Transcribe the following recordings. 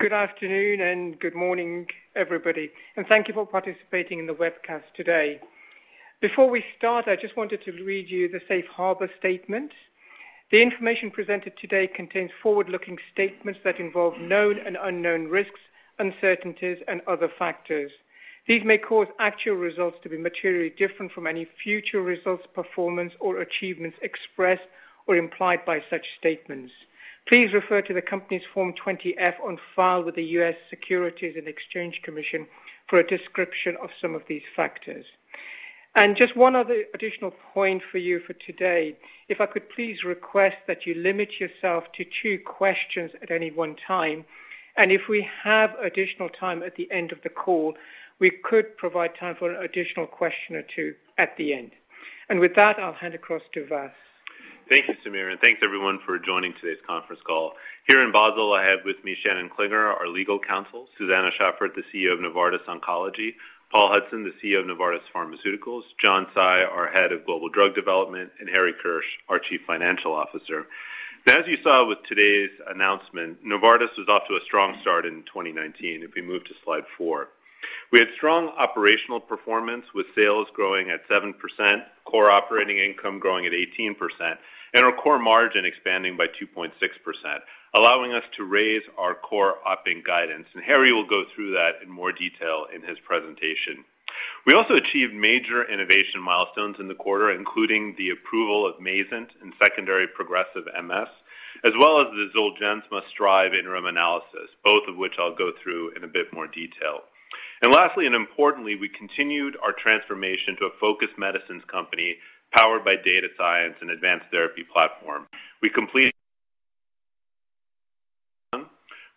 Good afternoon and good morning, everybody, and thank you for participating in the webcast today. Before we start, I just wanted to read you the safe harbor statement. The information presented today contains forward-looking statements that involve known and unknown risks, uncertainties, and other factors. These may cause actual results to be materially different from any future results, performance, or achievements expressed or implied by such statements. Please refer to the company's Form 20-F on file with the U.S. Securities and Exchange Commission for a description of some of these factors. Just one other additional point for you for today, if I could please request that you limit yourself to two questions at any one time, and if we have additional time at the end of the call, we could provide time for an additional question or two at the end. With that, I'll hand across to Vas. Thank you, Samir. Thanks, everyone, for joining today's conference call. Here in Basel, I have with me Shannon Klinger, our legal counsel, Susanne Schaffert, the CEO of Novartis Oncology, Paul Hudson, the CEO of Novartis Pharmaceuticals, John Tsai, our Head of Global Drug Development, and Harry Kirsch, our Chief Financial Officer. As you saw with today's announcement, Novartis is off to a strong start in 2019. If we move to slide four. We had strong operational performance with sales growing at 7%, core operating income growing at 18%, and our core margin expanding by 2.6%, allowing us to raise our core operating guidance. Harry will go through that in more detail in his presentation. We also achieved major innovation milestones in the quarter, including the approval of MAYZENT in secondary progressive MS, as well as the Zolgensma STR1VE interim analysis, both of which I'll go through in a bit more detail. Lastly, and importantly, we continued our transformation to a focus medicines company powered by data science and advanced therapy platform.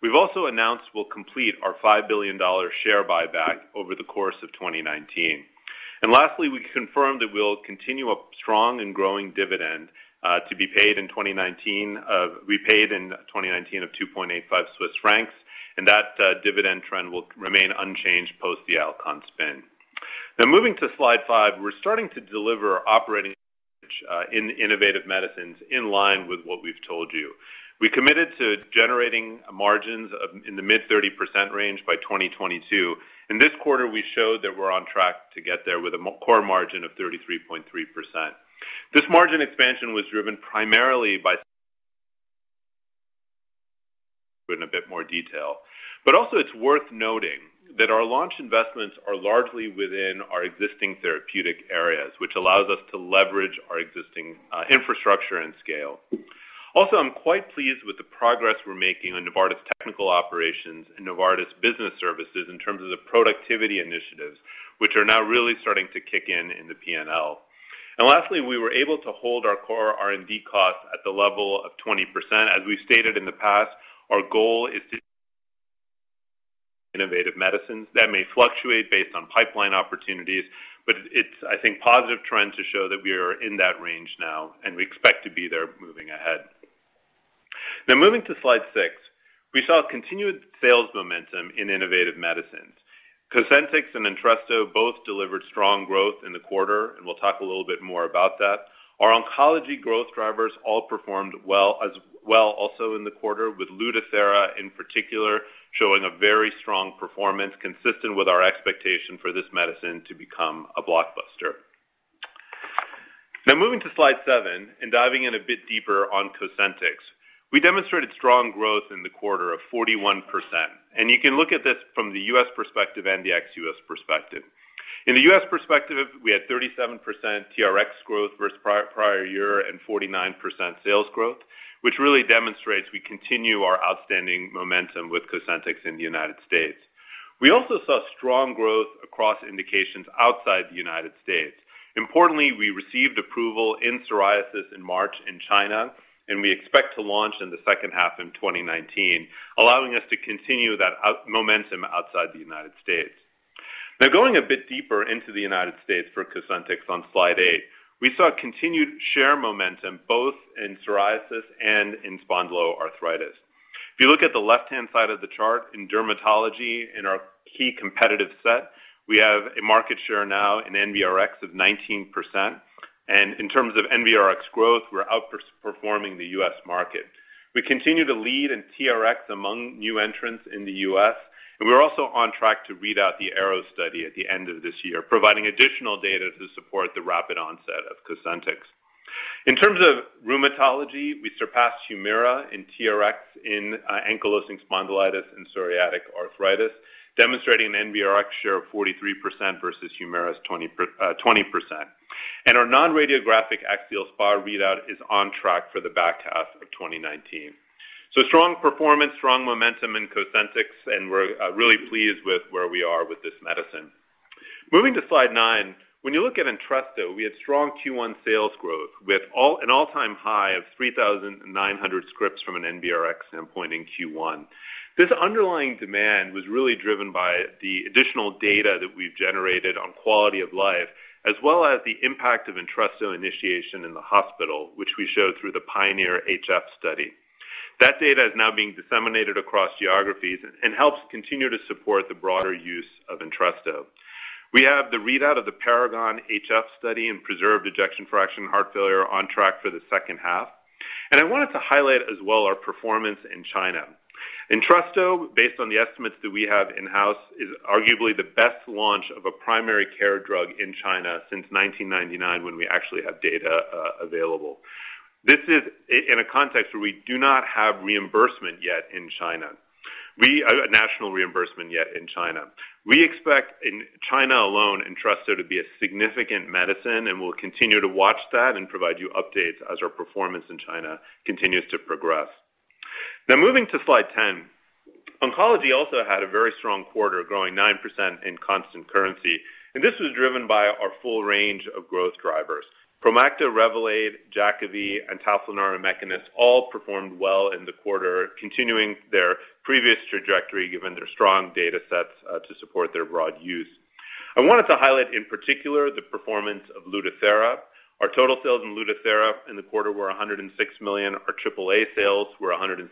We've also announced we'll complete our CHF 5 billion share buyback over the course of 2019. Lastly, we confirmed that we'll continue a strong and growing dividend, to be paid in 2019 of 2.85 Swiss francs, and that dividend trend will remain unchanged post the Alcon spin. Moving to slide five, we're starting to deliver operating in innovative medicines in line with what we've told you. We committed to generating margins in the mid-30% range by 2022. In this quarter, we showed that we're on track to get there with a core margin of 33.3%. This margin expansion was driven primarily by in a bit more detail. Also it's worth noting that our launch investments are largely within our existing therapeutic areas, which allows us to leverage our existing infrastructure and scale. Also, I'm quite pleased with the progress we're making on Novartis Technical Operations and Novartis Business Services in terms of the productivity initiatives, which are now really starting to kick in in the P&L. Lastly, we were able to hold our core R&D costs at the level of 20%. As we've stated in the past, our goal is to innovative medicines. That may fluctuate based on pipeline opportunities, but it's, I think, positive trends to show that we are in that range now, and we expect to be there moving ahead. Now moving to slide six, we saw continued sales momentum in innovative medicines. Cosentyx and Entresto both delivered strong growth in the quarter, and we will talk a little bit more about that. Our oncology growth drivers all performed well also in the quarter, with Lutathera in particular showing a very strong performance consistent with our expectation for this medicine to become a blockbuster. Now moving to slide seven and diving in a bit deeper on Cosentyx. We demonstrated strong growth in the quarter of 41%, and you can look at this from the U.S. perspective and the ex-U.S. perspective. In the U.S. perspective, we had 37% TRX growth versus prior year and 49% sales growth, which really demonstrates we continue our outstanding momentum with Cosentyx in the United States. We also saw strong growth across indications outside the United States. Importantly, we received approval in psoriasis in March in China, and we expect to launch in the second half in 2019, allowing us to continue that momentum outside the United States. Now going a bit deeper into the United States for Cosentyx on slide eight, we saw continued share momentum both in psoriasis and in spondyloarthritis. If you look at the left-hand side of the chart in dermatology in our key competitive set, we have a market share now in NBRx of 19%, and in terms of NBRx growth, we are outperforming the U.S. market. We continue to lead in TRX among new entrants in the U.S., and we are also on track to read out the ARROW study at the end of this year, providing additional data to support the rapid onset of Cosentyx. In terms of rheumatology, we surpassed Humira in TRX in ankylosing spondylitis and psoriatic arthritis, demonstrating an NBRx share of 43% versus Humira's 20%. And our non-radiographic axSpA readout is on track for the back half of 2019. So strong performance, strong momentum in Cosentyx, and we are really pleased with where we are with this medicine. Moving to slide nine. When you look at Entresto, we had strong Q1 sales growth with an all-time high of 3,900 scripts from an NBRx endpoint in Q1. This underlying demand was really driven by the additional data that we have generated on quality of life, as well as the impact of Entresto initiation in the hospital, which we showed through the PIONEER-HF study. That data is now being disseminated across geographies and helps continue to support the broader use of Entresto. We have the readout of the PARAGON-HF study in preserved ejection fraction heart failure on track for the second half. And I wanted to highlight as well our performance in China. Entresto, based on the estimates that we have in-house, is arguably the best launch of a primary care drug in China since 1999, when we actually have data available. This is in a context where we do not have reimbursement yet in China, a national reimbursement yet in China. We expect in China alone, Entresto to be a significant medicine, and we will continue to watch that and provide you updates as our performance in China continues to progress. Now moving to slide 10. Oncology had a very strong quarter, growing 9% in constant currency. This was driven by our full range of growth drivers. PROMACTA, Revolade, Jakavi, Ontak, Tasigna, and Mekinist all performed well in the quarter, continuing their previous trajectory, given their strong data sets to support their broad use. I wanted to highlight in particular the performance of LUTATHERA. Our total sales in LUTATHERA in the quarter were $106 million. Our AAA sales were $163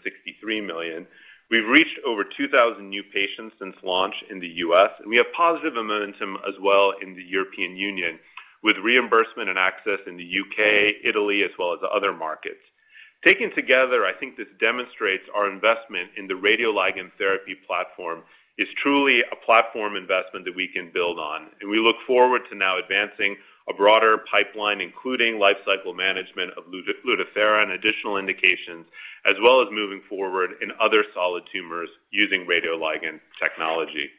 million. We've reached over 2,000 new patients since launch in the U.S., and we have positive momentum as well in the European Union, with reimbursement and access in the U.K., Italy, as well as other markets. Taken together, I think this demonstrates our investment in the radioligand therapy platform is truly a platform investment that we can build on. We look forward to now advancing a broader pipeline, including life cycle management of LUTATHERA and additional indications, as well as moving forward in other solid tumors using radioligand technology.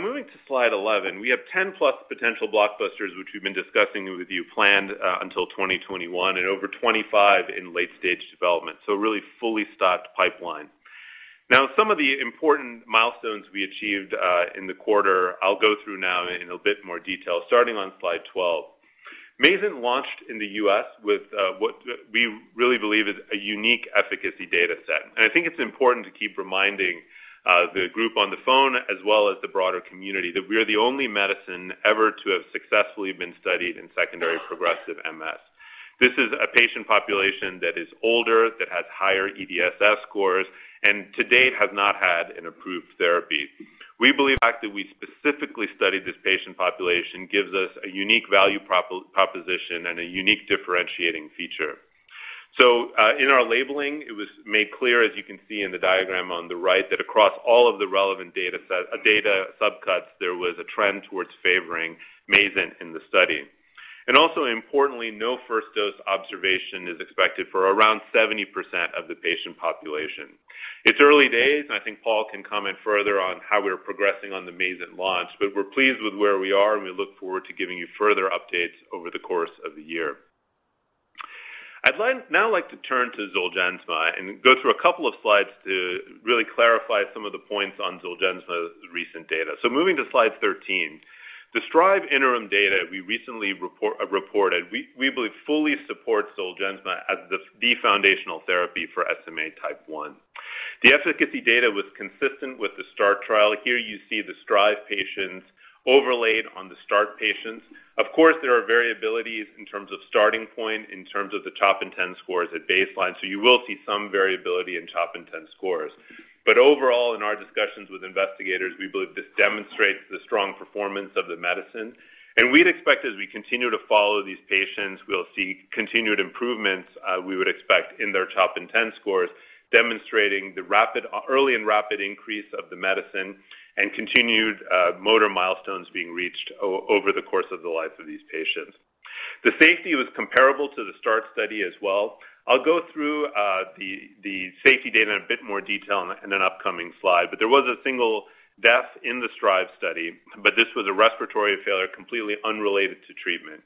Moving to slide 11. We have 10+ potential blockbusters, which we've been discussing with you, planned until 2021, and over 25 in late-stage development. Really fully stocked pipeline. Some of the important milestones we achieved in the quarter I'll go through now in a bit more detail, starting on slide 12. MAYZENT launched in the U.S. with what we really believe is a unique efficacy data set. I think it's important to keep reminding the group on the phone as well as the broader community that we are the only medicine ever to have successfully been studied in secondary progressive MS. This is a patient population that is older, that has higher EDSS scores, and to date has not had an approved therapy. We believe the fact that we specifically studied this patient population gives us a unique value proposition and a unique differentiating feature. In our labeling, it was made clear, as you can see in the diagram on the right, that across all of the relevant data subcuts, there was a trend towards favoring MAYZENT in the study. Also importantly, no first dose observation is expected for around 70% of the patient population. It's early days. I think Paul can comment further on how we're progressing on the MAYZENT launch, but we're pleased with where we are. We look forward to giving you further updates over the course of the year. I'd now like to turn to ZOLGENSMA and go through a couple of slides to really clarify some of the points on ZOLGENSMA's recent data. Moving to slide 13. The STR1VE interim data we recently reported, we believe fully supports ZOLGENSMA as the foundational therapy for SMA Type 1. The efficacy data was consistent with the START trial. Here you see the STR1VE patients overlaid on the START patients. Of course, there are variabilities in terms of starting point, in terms of the CHOP INTEND scores at baseline, so you will see some variability in CHOP INTEND scores. Overall, in our discussions with investigators, we believe this demonstrates the strong performance of the medicine. We'd expect as we continue to follow these patients, we'll see continued improvements we would expect in their CHOP INTEND scores, demonstrating the early and rapid increase of the medicine and continued motor milestones being reached over the course of the lives of these patients. The safety was comparable to the START study as well. I'll go through the safety data in a bit more detail in an upcoming slide, but there was a single death in the STR1VE study, but this was a respiratory failure completely unrelated to treatment.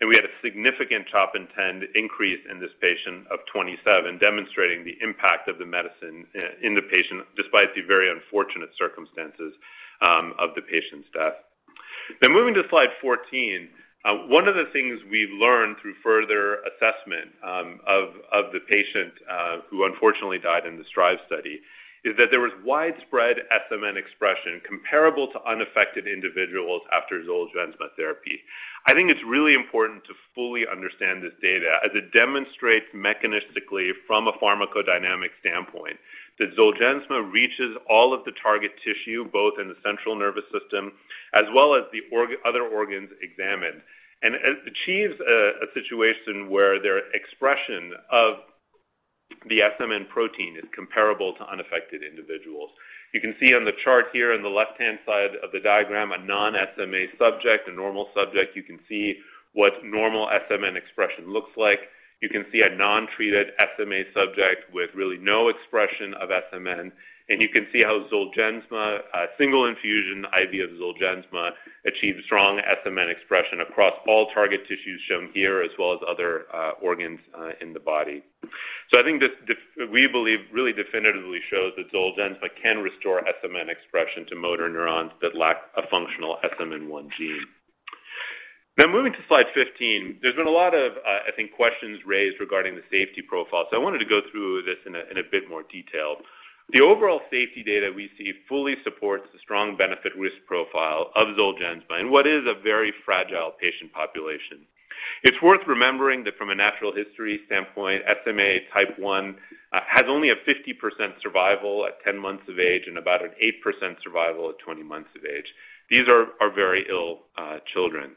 We had a significant CHOP INTEND increase in this patient of 27, demonstrating the impact of the medicine in the patient despite the very unfortunate circumstances of the patient's death. Moving to slide 14. One of the things we've learned through further assessment of the patient who unfortunately died in the STR1VE study is that there was widespread SMN expression comparable to unaffected individuals after Zolgensma therapy. I think it's really important to fully understand this data as it demonstrates mechanistically from a pharmacodynamic standpoint that Zolgensma reaches all of the target tissue, both in the central nervous system as well as the other organs examined, and achieves a situation where their expression of the SMN protein is comparable to unaffected individuals. You can see on the chart here on the left-hand side of the diagram a non-SMA subject, a normal subject. You can see what normal SMN expression looks like. You can see a non-treated SMA subject with really no expression of SMN, and you can see how Zolgensma, a single infusion IV of Zolgensma, achieves strong SMN expression across all target tissues shown here, as well as other organs in the body. I think this, we believe, really definitively shows that Zolgensma can restore SMN expression to motor neurons that lack a functional SMN1 gene. Moving to slide 15. There's been a lot of, I think, questions raised regarding the safety profile, so I wanted to go through this in a bit more detail. The overall safety data we see fully supports the strong benefit risk profile of Zolgensma in what is a very fragile patient population. It's worth remembering that from a natural history standpoint, SMA type 1 has only a 50% survival at 10 months of age and about an 8% survival at 20 months of age. These are very ill children.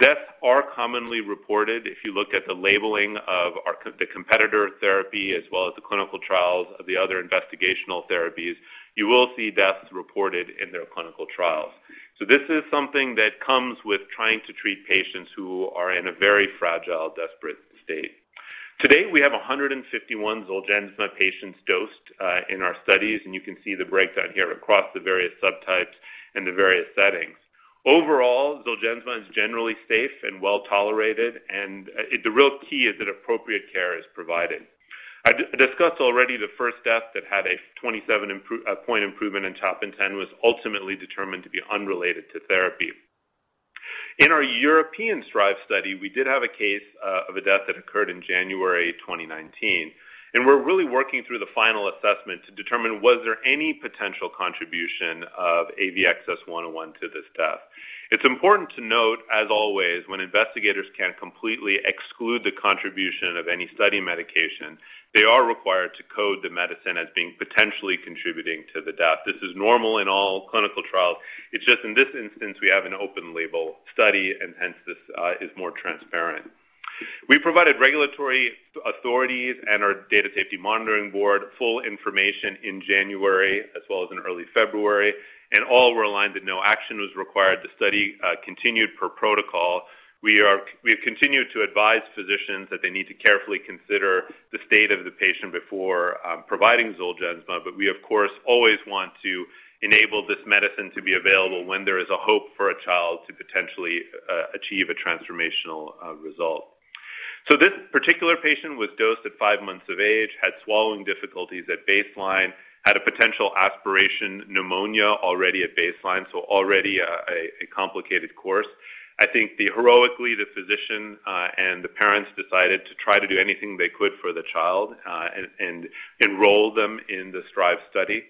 Deaths are commonly reported. If you look at the labeling of the competitor therapy as well as the clinical trials of the other investigational therapies, you will see deaths reported in their clinical trials. This is something that comes with trying to treat patients who are in a very fragile, desperate state. Today, we have 151 Zolgensma patients dosed in our studies, and you can see the breakdown here across the various subtypes and the various settings. Overall, Zolgensma is generally safe and well-tolerated, and the real key is that appropriate care is provided. I discussed already the first death that had a 27-point improvement in CHOP INTEND was ultimately determined to be unrelated to therapy. In our European STR1VE study, we did have a case of a death that occurred in January 2019. We're really working through the final assessment to determine was there any potential contribution of AVXS-101 to this death. It's important to note, as always, when investigators can't completely exclude the contribution of any study medication, they are required to code the medicine as being potentially contributing to the death. This is normal in all clinical trials. It's just in this instance, we have an open label study, and hence this is more transparent. We provided regulatory authorities and our data safety monitoring board full information in January as well as in early February, all were aligned that no action was required. The study continued per protocol. We have continued to advise physicians that they need to carefully consider the state of the patient before providing Zolgensma, we of course always want to enable this medicine to be available when there is a hope for a child to potentially achieve a transformational result. This particular patient was dosed at 5 months of age, had swallowing difficulties at baseline, had a potential aspiration pneumonia already at baseline. Already a complicated course. I think heroically, the physician and the parents decided to try to do anything they could for the child and enroll them in the STR1VE study.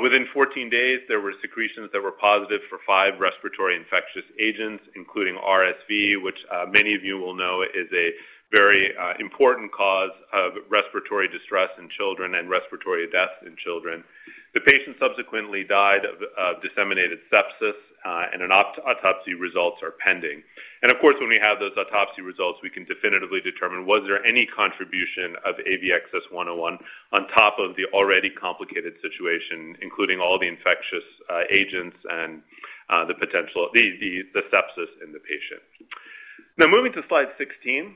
Within 14 days, there were secretions that were positive for 5 respiratory infectious agents, including RSV, which many of you will know is a very important cause of respiratory distress in children and respiratory death in children. The patient subsequently died of disseminated sepsis and an autopsy results are pending. Of course, when we have those autopsy results, we can definitively determine was there any contribution of AVXS-101 on top of the already complicated situation, including all the infectious agents and the sepsis in the patient. Moving to slide 16.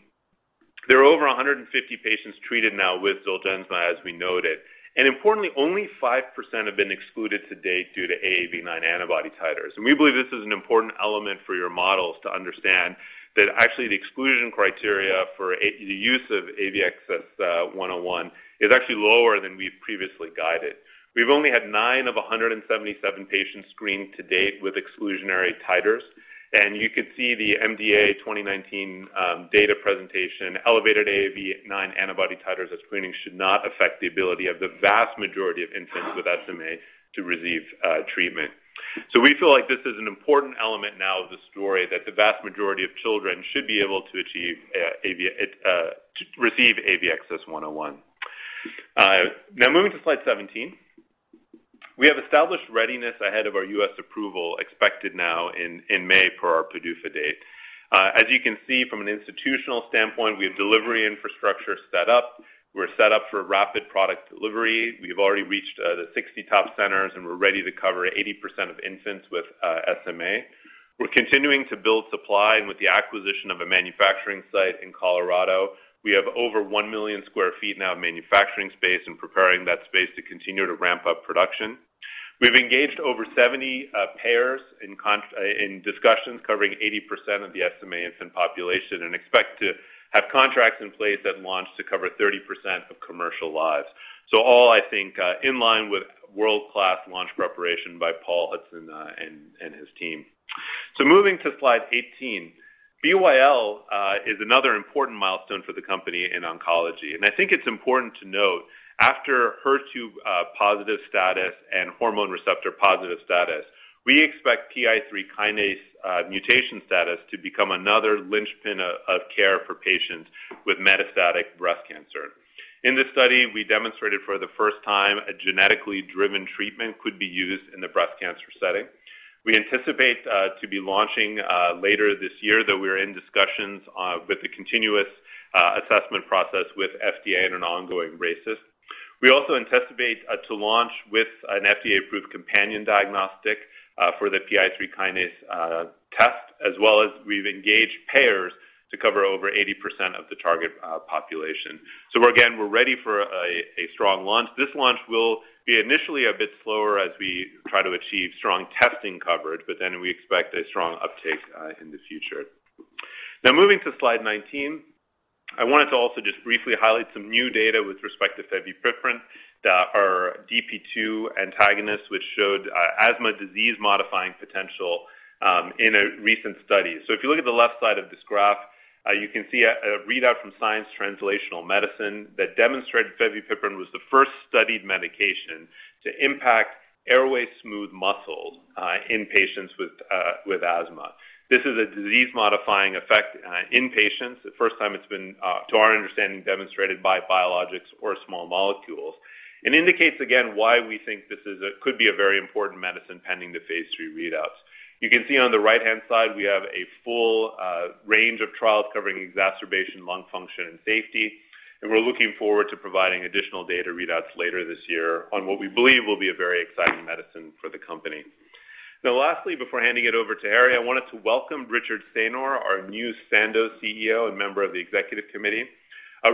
There are over 150 patients treated now with Zolgensma, as we noted. Importantly, only 5% have been excluded to date due to AAV9 antibody titers. We believe this is an important element for your models to understand that actually the exclusion criteria for the use of AVXS-101 is actually lower than we've previously guided. We've only had 9 of 177 patients screened to date with exclusionary titers, you can see the MDA Clinical & Scientific Conference 2019 data presentation, elevated AAV9 antibody titers as screening should not affect the ability of the vast majority of infants with SMA to receive treatment. We feel like this is an important element now of the story, that the vast majority of children should be able to receive AVXS-101. Moving to slide 17. We have established readiness ahead of our U.S. approval expected now in May per our PDUFA date. You can see from an institutional standpoint, we have delivery infrastructure set up. We're set up for rapid product delivery. We've already reached the 60 top centers, we're ready to cover 80% of infants with SMA. We're continuing to build supply, with the acquisition of a manufacturing site in Colorado. We have over 1 million sq ft now of manufacturing space and preparing that space to continue to ramp up production. We've engaged over 70 payers in discussions covering 80% of the SMA infant population and expect to have contracts in place at launch to cover 30% of commercial lives. All I think in line with world-class launch preparation by Paul Hudson and his team. Moving to slide 18. BYL is another important milestone for the company in oncology. I think it's important to note, after HER2-positive status and hormone receptor-positive status, we expect PI3K kinase mutation status to become another linchpin of care for patients with metastatic breast cancer. In this study, we demonstrated for the first time a genetically driven treatment could be used in the breast cancer setting. We anticipate to be launching later this year, though we are in discussions with the continuous assessment process with FDA in an ongoing basis. We also anticipate to launch with an FDA-approved companion diagnostic for the PI3K kinase test, as well as we've engaged payers to cover over 80% of the target population. Again, we're ready for a strong launch. This launch will be initially a bit slower as we try to achieve strong testing coverage, but then we expect a strong uptake in the future. Moving to slide 19. I wanted to also just briefly highlight some new data with respect to fevipiprant DP2 antagonists, which showed asthma disease-modifying potential in a recent study. If you look at the left side of this graph, you can see a readout from "Science Translational Medicine" that demonstrated fevipiprant was the first studied medication to impact airway smooth muscle in patients with asthma. This is a disease-modifying effect in patients, the first time it's been, to our understanding, demonstrated by biologics or small molecules, and indicates again why we think this could be a very important medicine pending the phase III readouts. You can see on the right-hand side, we have a full range of trials covering exacerbation, lung function, and safety, and we're looking forward to providing additional data readouts later this year on what we believe will be a very exciting medicine for the company. Lastly, before handing it over to Harry, I wanted to welcome Richard Saynor, our new Sandoz CEO and member of the executive committee.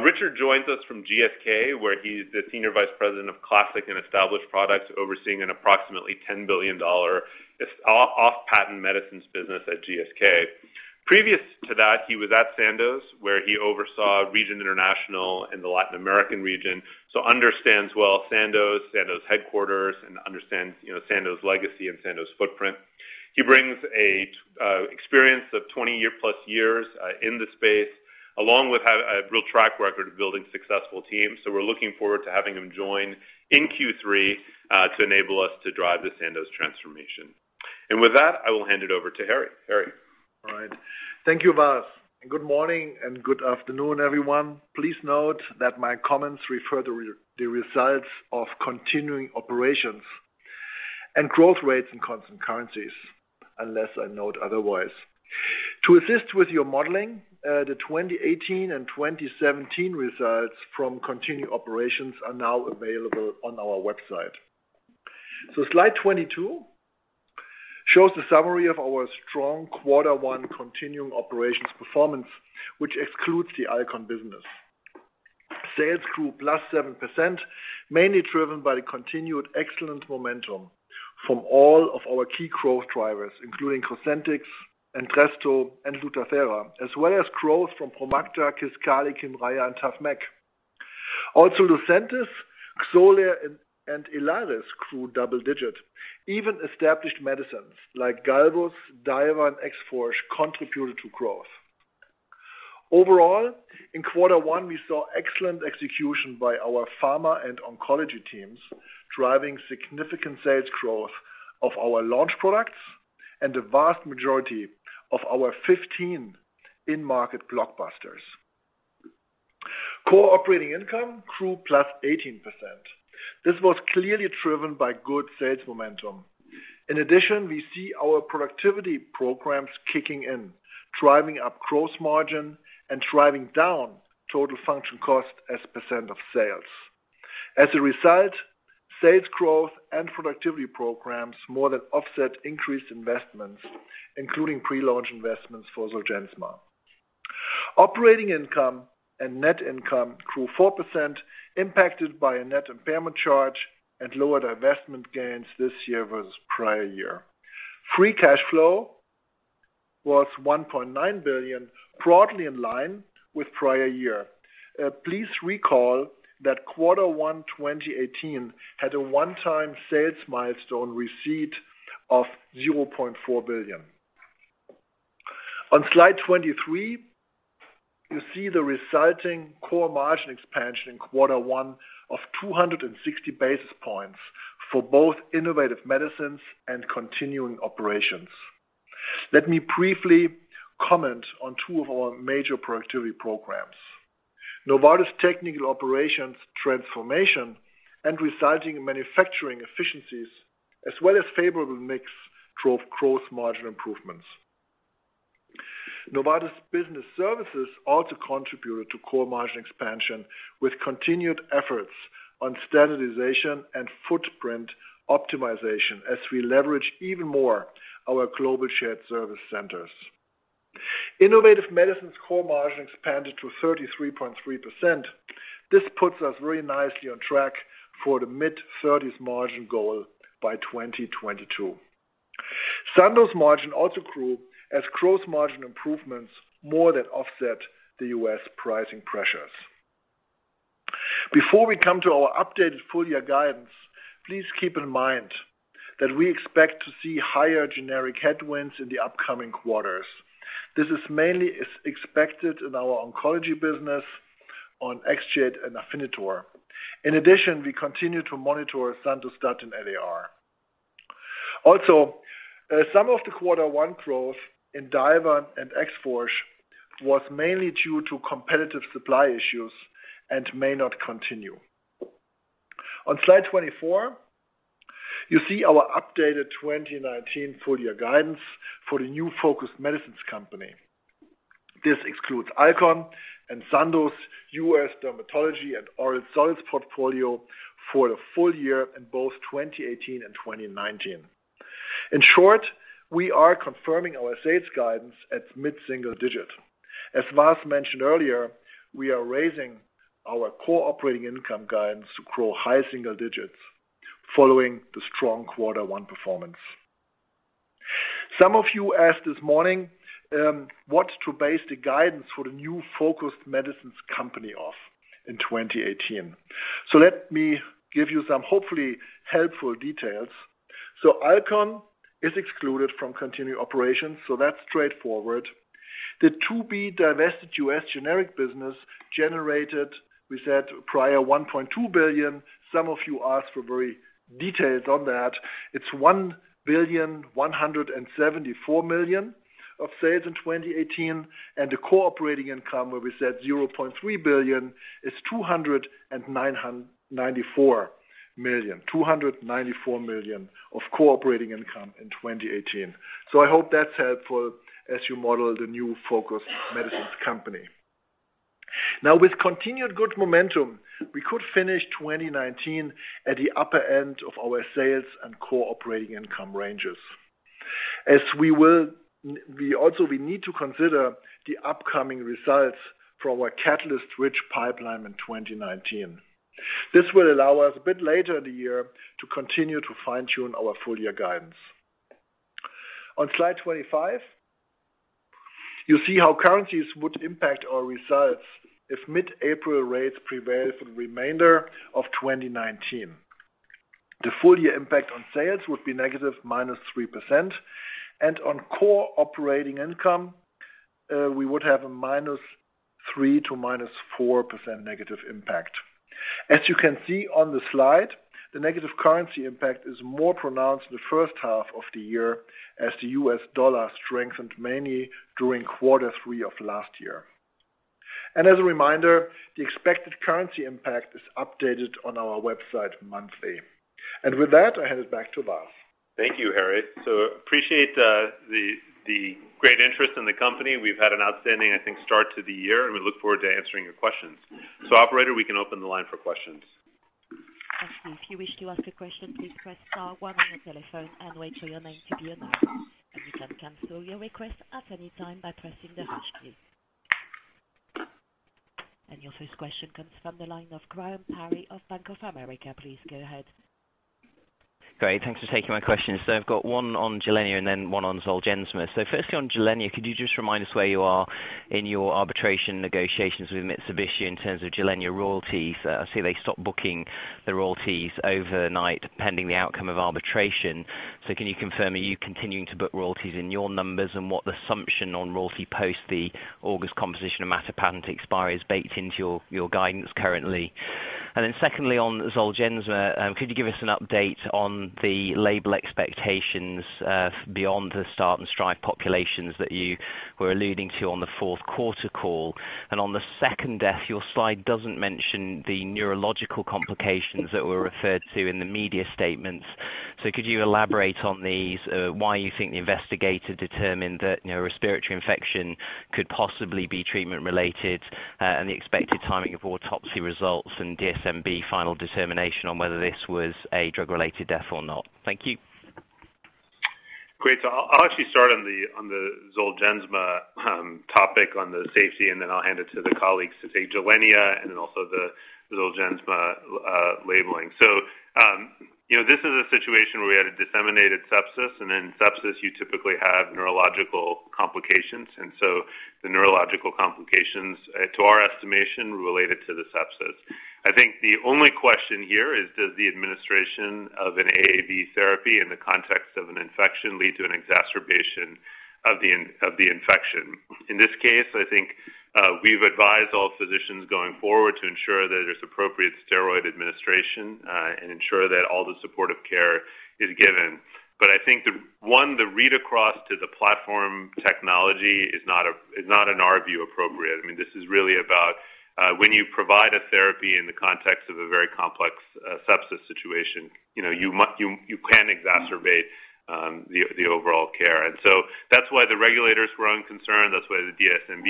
Richard joins us from GSK, where he's the Senior Vice President of Classic and Established Products, overseeing an approximately CHF 10 billion off-patent medicines business at GSK. Previous to that, he was at Sandoz, where he oversaw Region International in the Latin American region, so understands well Sandoz headquarters, and understands Sandoz legacy and Sandoz footprint. He brings experience of 20+ years in the space, along with a real track record of building successful teams. We're looking forward to having him join in Q3 to enable us to drive the Sandoz transformation. With that, I will hand it over to Harry. Harry? All right. Thank you, Vas. Good morning and good afternoon, everyone. Please note that my comments refer to the results of continuing operations and growth rates in constant currencies, unless I note otherwise. To assist with your modeling, the 2018 and 2017 results from continuing operations are now available on our website. Slide 22 shows the summary of our strong quarter 1 continuing operations performance, which excludes the Alcon business. Sales grew +7%, mainly driven by the continued excellent momentum from all of our key growth drivers, including Cosentyx, Entresto, and Lutathera, as well as growth from Promacta, KISQALI, KYMRIAH, and Tafinlar/Mekinist. Lucentis, Xolair, and ILARIS grew double digit. Even established medicines like Galvus, Diovan, and Exforge contributed to growth. Overall, in quarter 1, we saw excellent execution by our pharma and oncology teams, driving significant sales growth of our launch products and the vast majority of our 15 in-market blockbusters. Core operating income grew +18%. This was clearly driven by good sales momentum. In addition, we see our productivity programs kicking in, driving up gross margin and driving down total function cost as a % of sales. As a result, sales growth and productivity programs more than offset increased investments, including pre-launch investments for Zolgensma. Operating income and net income grew 4%, impacted by a net impairment charge and lower divestment gains this year versus prior year. Free cash flow was $1.9 billion, broadly in line with prior year. Please recall that quarter 1 2018 had a one-time sales milestone receipt of $0.4 billion. On slide 23, you see the resulting core margin expansion in quarter 1 of 260 basis points for both innovative medicines and continuing operations. Let me briefly comment on two of our major productivity programs. Novartis Technical Operations transformation and resulting manufacturing efficiencies, as well as favorable mix, drove gross margin improvements. Novartis Business Services also contributed to core margin expansion with continued efforts on standardization and footprint optimization as we leverage even more our global shared service centers. Innovative medicines core margin expanded to 33.3%. This puts us very nicely on track for the mid-30s margin goal by 2022. Sandoz margin also grew as gross margin improvements more than offset the U.S. pricing pressures. Before we come to our updated full-year guidance, please keep in mind that we expect to see higher generic headwinds in the upcoming quarters. This is mainly expected in our oncology business on Xgeva and Afinitor. In addition, we continue to monitor Sandostatin LAR. Some of the quarter 1 growth in Diovan and Exforge was mainly due to competitive supply issues and may not continue. On slide 24, you see our updated 2019 full-year guidance for the new focused medicines company. This excludes Alcon and Sandoz U.S. dermatology and oral solids portfolio for the full year in both 2018 and 2019. In short, we are confirming our sales guidance at mid-single digit. As Vas mentioned earlier, we are raising our core operating income guidance to grow high single digits following the strong quarter 1 performance. Some of you asked this morning what to base the guidance for the new focused medicines company of in 2018. Let me give you some hopefully helpful details. Alcon is excluded from continuing operations, that's straightforward. The to-be-divested U.S. generic business generated, we said, prior 1.2 billion. Some of you asked for very detailed on that. It's 1,174,000,000 of sales in 2018, and the core operating income, where we said 0.3 billion, is 294 million of core operating income in 2018. I hope that's helpful as you model the new focused medicines company. With continued good momentum, we could finish 2019 at the upper end of our sales and core operating income ranges. We need to consider the upcoming results from our catalyst-rich pipeline in 2019. This will allow us a bit later in the year to continue to fine-tune our full-year guidance. On slide 25, you see how currencies would impact our results if mid-April rates prevail for the remainder of 2019. The full-year impact on sales would be minus 3%, and on core operating income, we would have a minus 3% to minus 4% impact. As you can see on the slide, the negative currency impact is more pronounced in the first half of the year as the U.S. dollar strengthened mainly during quarter three of last year. As a reminder, the expected currency impact is updated on our website monthly. With that, I hand it back to Vas. Thank you, Harry. I appreciate the great interest in the company. We've had an outstanding, I think, start to the year, and we look forward to answering your questions. Operator, we can open the line for questions. Absolutely. If you wish to ask a question, please press star one on your telephone and wait for your name to be announced. You can cancel your request at any time by pressing the hash key. Your first question comes from the line of Graham Parry of Bank of America. Please go ahead. Great. Thanks for taking my question. I've got one on Gilenya and then one on Zolgensma. Firstly on Gilenya, could you just remind us where you are in your arbitration negotiations with Mitsubishi in terms of Gilenya royalties? I see they stopped booking the royalties overnight pending the outcome of arbitration. Can you confirm, are you continuing to book royalties in your numbers and what the assumption on royalty post the August composition of matter patent expiry is baked into your guidance currently? Secondly, on Zolgensma, could you give us an update on the label expectations beyond the START and STR1VE populations that you were alluding to on the fourth quarter call? On the second death, your slide doesn't mention the neurological complications that were referred to in the media statements. Could you elaborate on these, why you think the investigator determined that respiratory infection could possibly be treatment related, and the expected timing of autopsy results and DSMB final determination on whether this was a drug-related death or not? Thank you. Great. I'll actually start on the Zolgensma topic on the safety, and then I'll hand it to the colleagues to say Gilenya and then also the Zolgensma labeling. This is a situation where we had a disseminated sepsis, and in sepsis you typically have neurological complications, and the neurological complications, to our estimation, were related to the sepsis. I think the only question here is does the administration of an AAV therapy in the context of an infection lead to an exacerbation of the infection? In this case, I think we've advised all physicians going forward to ensure that there's appropriate steroid administration and ensure that all the supportive care is given. But I think, one, the read across to the platform technology is not in our view appropriate. This is really about when you provide a therapy in the context of a very complex sepsis situation, you can exacerbate the overall care. That's why the regulators were unconcerned. That's why the DSMB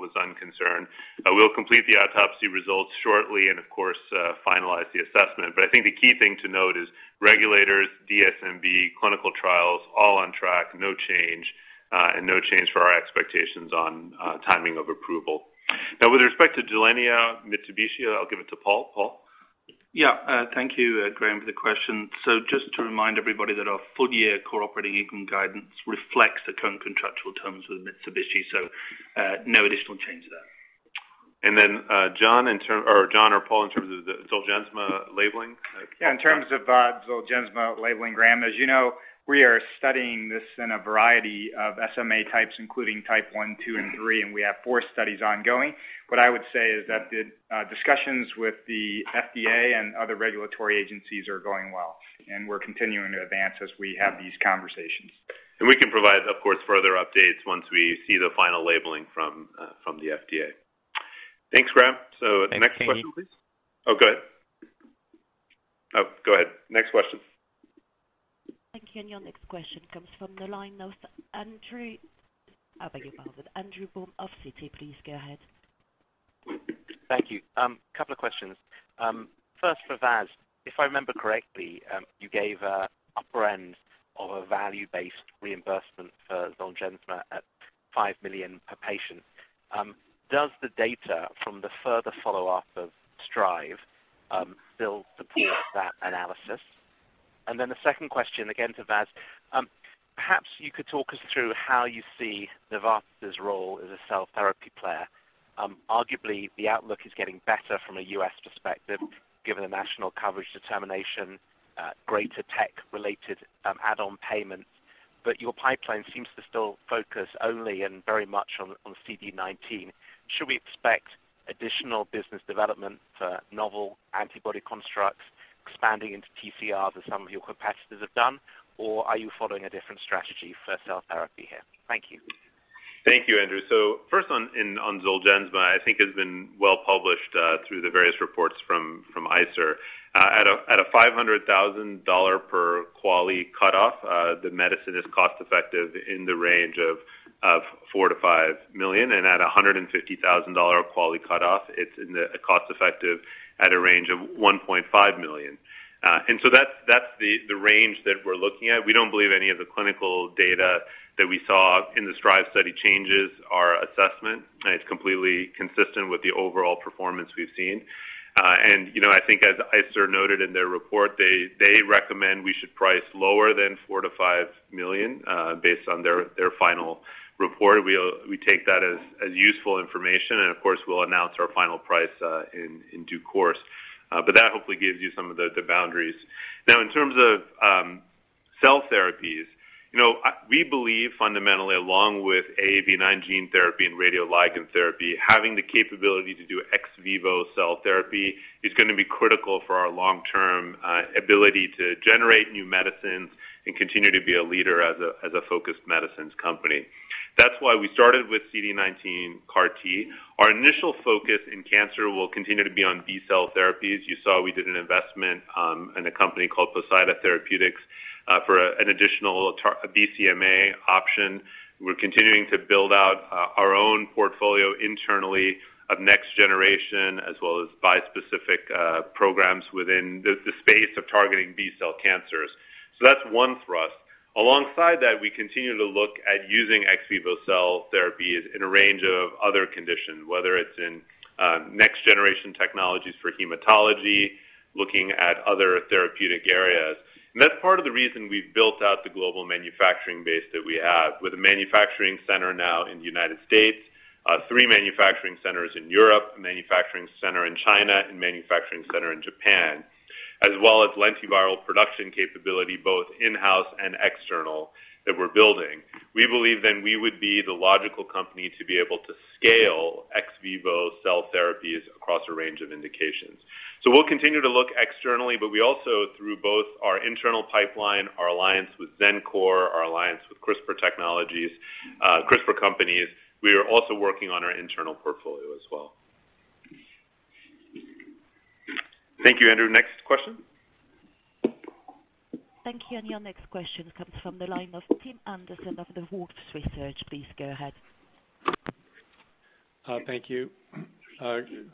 was unconcerned. We'll complete the autopsy results shortly and, of course, finalize the assessment. I think the key thing to note is regulators, DSMB, clinical trials, all on track, no change, and no change for our expectations on timing of approval. With respect to Gilenya, Mitsubishi, I'll give it to Paul. Paul? Yeah. Thank you, Graham, for the question. Just to remind everybody that our full-year core operating income guidance reflects the current contractual terms with Mitsubishi. No additional change there. John or Paul, in terms of the Zolgensma labeling? Yeah. In terms of Zolgensma labeling, Graham, as you know, we are studying this in a variety of SMA types, including Type 1, 2, and 3, and we have four studies ongoing. What I would say is that the discussions with the FDA and other regulatory agencies are going well, and we're continuing to advance as we have these conversations. We can provide, of course, further updates once we see the final labeling from the FDA. Thanks, Graham. Next question, please. Thanks. Oh, go ahead. Oh, go ahead. Next question. Thank you. Your next question comes from the line of Andrew I beg your pardon. Andrew Baum of Citi. Please go ahead. Thank you. Couple of questions. First for Vas. If I remember correctly, you gave an upper end of a value-based reimbursement for Zolgensma at $5 million per patient. Does the data from the further follow-up of STR1VE still support that analysis? The second question, again to Vas. Perhaps you could talk us through how you see Novartis' role as a cell therapy player. Arguably, the outlook is getting better from a U.S. perspective, given the national coverage determination, greater tech-related add-on payments. Your pipeline seems to still focus only and very much on CD19. Should we expect additional business development for novel antibody constructs expanding into TCR as some of your competitors have done? Are you following a different strategy for cell therapy here? Thank you. Thank you, Andrew. First on Zolgensma, I think has been well published through the various reports from ICER. At a $500,000 per QALY cutoff, the medicine is cost-effective in the range of $4 million-$5 million. At $150,000 QALY cutoff, it's cost-effective at a range of $1.5 million. That's the range that we're looking at. We don't believe any of the clinical data that we saw in the STR1VE study changes our assessment. It's completely consistent with the overall performance we've seen. I think as ICER noted in their report, they recommend we should price lower than $4 million-$5 million based on their final report. We take that as useful information, and of course, we'll announce our final price in due course. That hopefully gives you some of the boundaries. Now, in terms of cell therapies. We believe fundamentally, along with AAV9 gene therapy and radioligand therapy, having the capability to do ex vivo cell therapy is going to be critical for our long-term ability to generate new medicines and continue to be a leader as a focused medicines company. That's why we started with CD19 CAR T. Our initial focus in cancer will continue to be on B-cell therapies. You saw we did an investment in a company called Poseida Therapeutics for an additional BCMA option. We're continuing to build out our own portfolio internally of next generation as well as buy specific programs within the space of targeting B-cell cancers. That's one thrust. Alongside that, we continue to look at using ex vivo cell therapies in a range of other conditions. Whether it's in next-generation technologies for hematology, looking at other therapeutic areas. That's part of the reason we've built out the global manufacturing base that we have with a manufacturing center now in the U.S., three manufacturing centers in Europe, a manufacturing center in China, and a manufacturing center in Japan, as well as lentiviral production capability both in-house and external that we're building. We believe then we would be the logical company to be able to scale ex vivo cell therapies across a range of indications. We'll continue to look externally, but we also, through both our internal pipeline, our alliance with Xencor, our alliance with CRISPR companies, we are also working on our internal portfolio as well. Thank you, Andrew. Next question. Thank you. Your next question comes from the line of Tim Anderson of Wolfe Research. Please go ahead. Thank you. Kind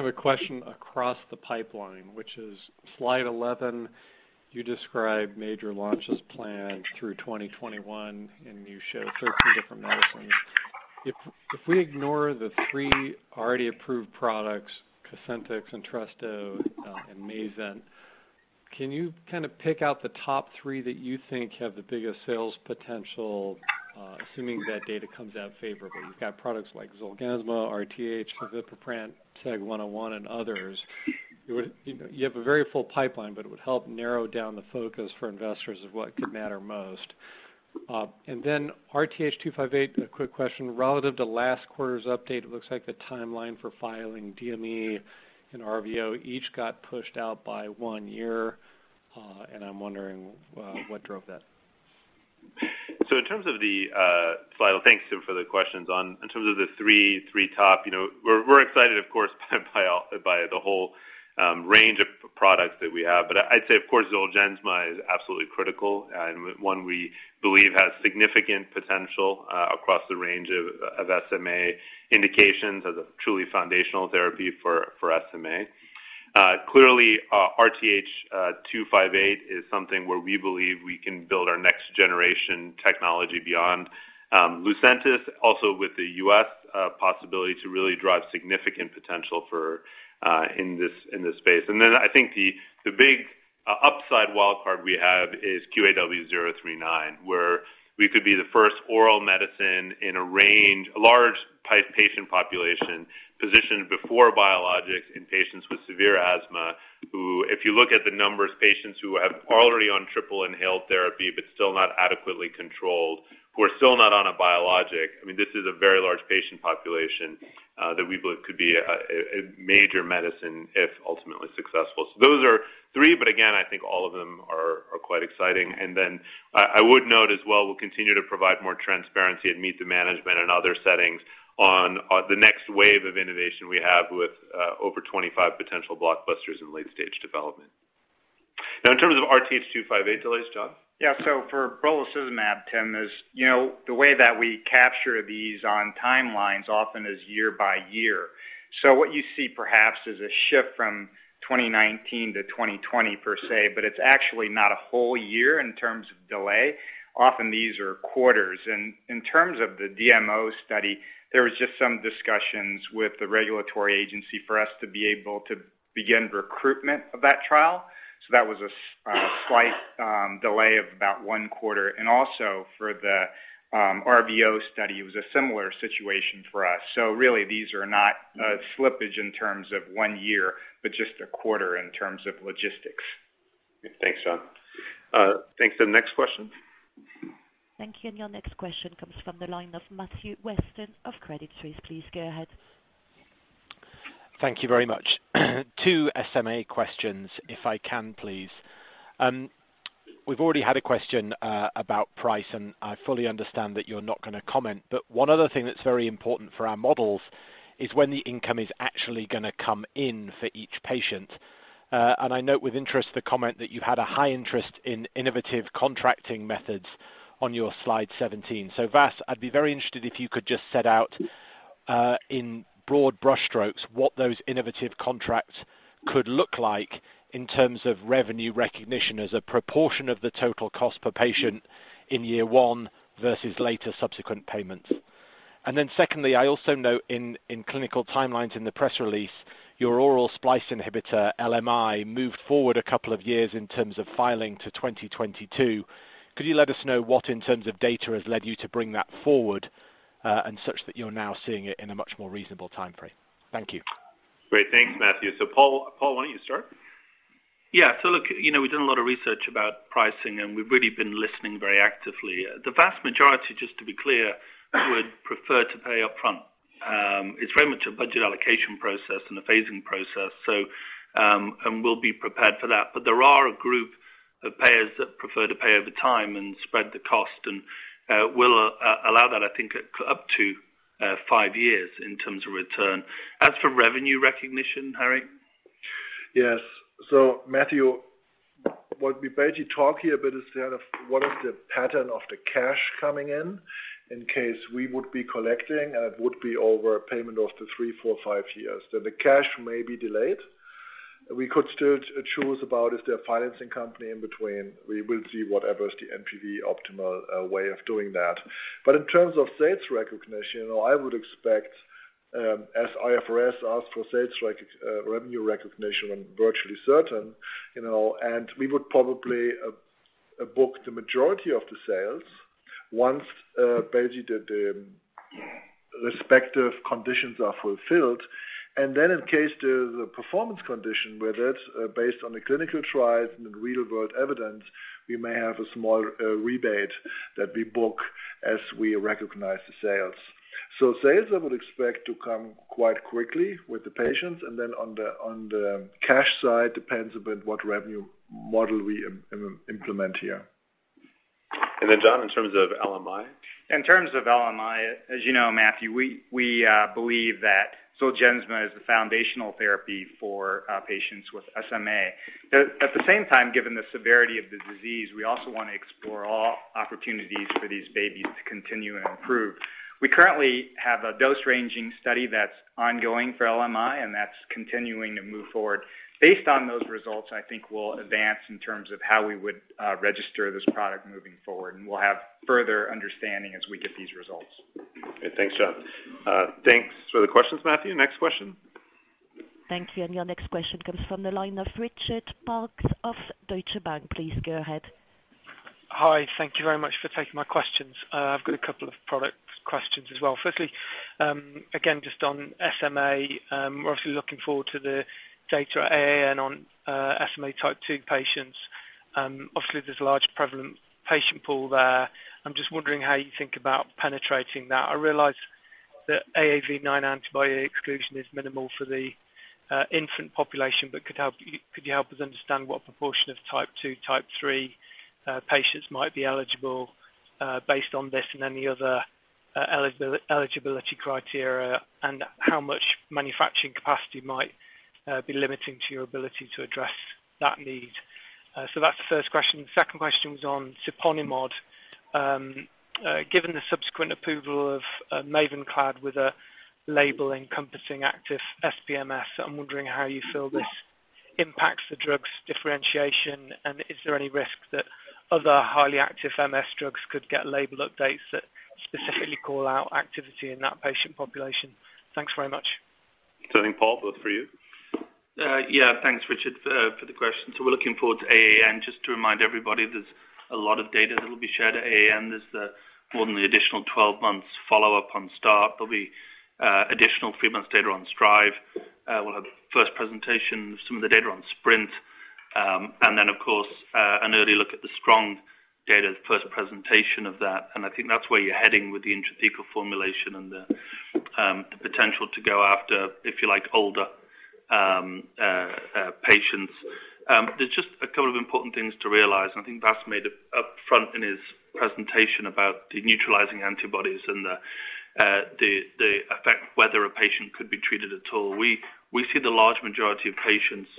of a question across the pipeline, which is slide 11. You describe major launches planned through 2021, and you show 13 different medicines. If we ignore the three already approved products, Cosentyx, Entresto, and MAYZENT, can you pick out the top three that you think have the biggest sales potential, assuming that data comes out favorably? You've got products like Zolgensma, RTH, fevipiprant, SEG101, and others. You have a very full pipeline, but it would help narrow down the focus for investors of what could matter most. Then RTH258, a quick question. Relative to last quarter's update, it looks like the timeline for filing DME and RVO each got pushed out by one year, and I'm wondering what drove that. Thanks, Tim, for the questions. In terms of the three top, we're excited, of course, by the whole range of products that we have. I'd say, of course, Zolgensma is absolutely critical and one we believe has significant potential across the range of SMA indications as a truly foundational therapy for SMA. Clearly, RTH258 is something where we believe we can build our next-generation technology beyond Lucentis, also with the U.S. possibility to really drive significant potential in this space. I think the big upside wildcard we have is QAW039, where we could be the first oral medicine in a range, a large patient population positioned before biologics in patients with severe asthma, who, if you look at the numbers, patients who have already on triple inhaled therapy, but still not adequately controlled, who are still not on a biologic. This is a very large patient population that we believe could be a major medicine if ultimately successful. Those are three, but again, I think all of them are quite exciting. I would note as well, we'll continue to provide more transparency at meet the management and other settings on the next wave of innovation we have with over 25 potential blockbusters in late-stage development. Now in terms of RTH258 delays, John? Yeah. For brolucizumab, Tim, the way that we capture these on timelines often is year by year. What you see perhaps is a shift from 2019 to 2020 per se, but it's actually not a whole year in terms of delay. Often these are quarters. In terms of the DME study, there was just some discussions with the regulatory agency for us to be able to begin recruitment of that trial. That was a slight delay of about one quarter. Also for the RVO study, it was a similar situation for us. Really these are not slippage in terms of one year, but just a quarter in terms of logistics. Thanks, John. Thanks. The next question? Thank you. Your next question comes from the line of Matthew Weston of Credit Suisse. Please go ahead. Thank you very much. Two SMA questions if I can, please. We've already had a question about price, I fully understand that you're not going to comment, but one other thing that's very important for our models is when the income is actually going to come in for each patient. I note with interest the comment that you had a high interest in innovative contracting methods on your slide 17. Vas, I'd be very interested if you could just set out, in broad brush strokes what those innovative contracts could look like in terms of revenue recognition as a proportion of the total cost per patient in year one versus later subsequent payments. Secondly, I also note in clinical timelines in the press release, your oral splice inhibitor, LMI, moved forward a couple of years in terms of filing to 2022. Could you let us know what in terms of data has led you to bring that forward, and such that you're now seeing it in a much more reasonable time frame? Thank you. Great. Thanks, Matthew. Paul, why don't you start? Look, we've done a lot of research about pricing. We've really been listening very actively. The vast majority, just to be clear, would prefer to pay upfront. It's very much a budget allocation process and a phasing process. We'll be prepared for that, but there are a group of payers that prefer to pay over time and spread the cost and we'll allow that, I think, up to five years in terms of return. As for revenue recognition, Harry? Yes, Matthew, what we basically talk here a bit is what is the pattern of the cash coming in case we would be collecting and it would be over a payment of the three, four, five years. The cash may be delayed. We could still choose about if they're a financing company in between. We will see whatever is the NPV optimal way of doing that. In terms of sales recognition, I would expect, as IFRS asks for sales revenue recognition when virtually certain, we would probably book the majority of the sales once basically the respective conditions are fulfilled. In case there's a performance condition with it, based on the clinical trials and the real-world evidence, we may have a small rebate that we book as we recognize the sales. Sales I would expect to come quite quickly with the patients. On the cash side, depends a bit what revenue model we implement here. John, in terms of branaplam? In terms of branaplam, as you know, Matthew, we believe that Zolgensma is the foundational therapy for patients with SMA. At the same time, given the severity of the disease, we also want to explore all opportunities for these babies to continue and improve. We currently have a dose-ranging study that's ongoing for branaplam, and that's continuing to move forward. Based on those results, I think we'll advance in terms of how we would register this product moving forward, and we'll have further understanding as we get these results. Okay, thanks, John. Thanks for the questions, Matthew. Next question? Thank you. Your next question comes from the line of Richard Parkes of Deutsche Bank. Please go ahead. Hi. Thank you very much for taking my questions. I've got a couple of product questions as well. Firstly, again, just on SMA, we're obviously looking forward to the data at AAN on SMA Type 2 patients. Obviously, there's a large prevalent patient pool there. I'm just wondering how you think about penetrating that. I realize that AAV9 antibody exclusion is minimal for the infant population, but could you help us understand what proportion of Type 2, Type 3 patients might be eligible based on this and any other eligibility criteria, and how much manufacturing capacity might be limiting to your ability to address that need? That's the first question. The second question was on siponimod. Given the subsequent approval of Mavenclad with a label encompassing active SPMS, I'm wondering how you feel this impacts the drug's differentiation, and is there any risk that other highly active MS drugs could get label updates that specifically call out activity in that patient population? Thanks very much. I think Paul, both for you. Yeah. Thanks, Richard, for the question. We're looking forward to AAN. Just to remind everybody, there's a lot of data that will be shared at AAN. There's more than the additional 12 months follow-up on START. There'll be additional 3 months data on STR1VE. We'll have first presentation of some of the data on SPR1NT. Of course, an early look at the STRONG data, the first presentation of that. I think that's where you're heading with the intrathecal formulation and the potential to go after, if you like, older patients. There's just a couple of important things to realize, and I think Vas made it upfront in his presentation about the neutralizing antibodies and the effect whether a patient could be treated at all. We see the large majority of patients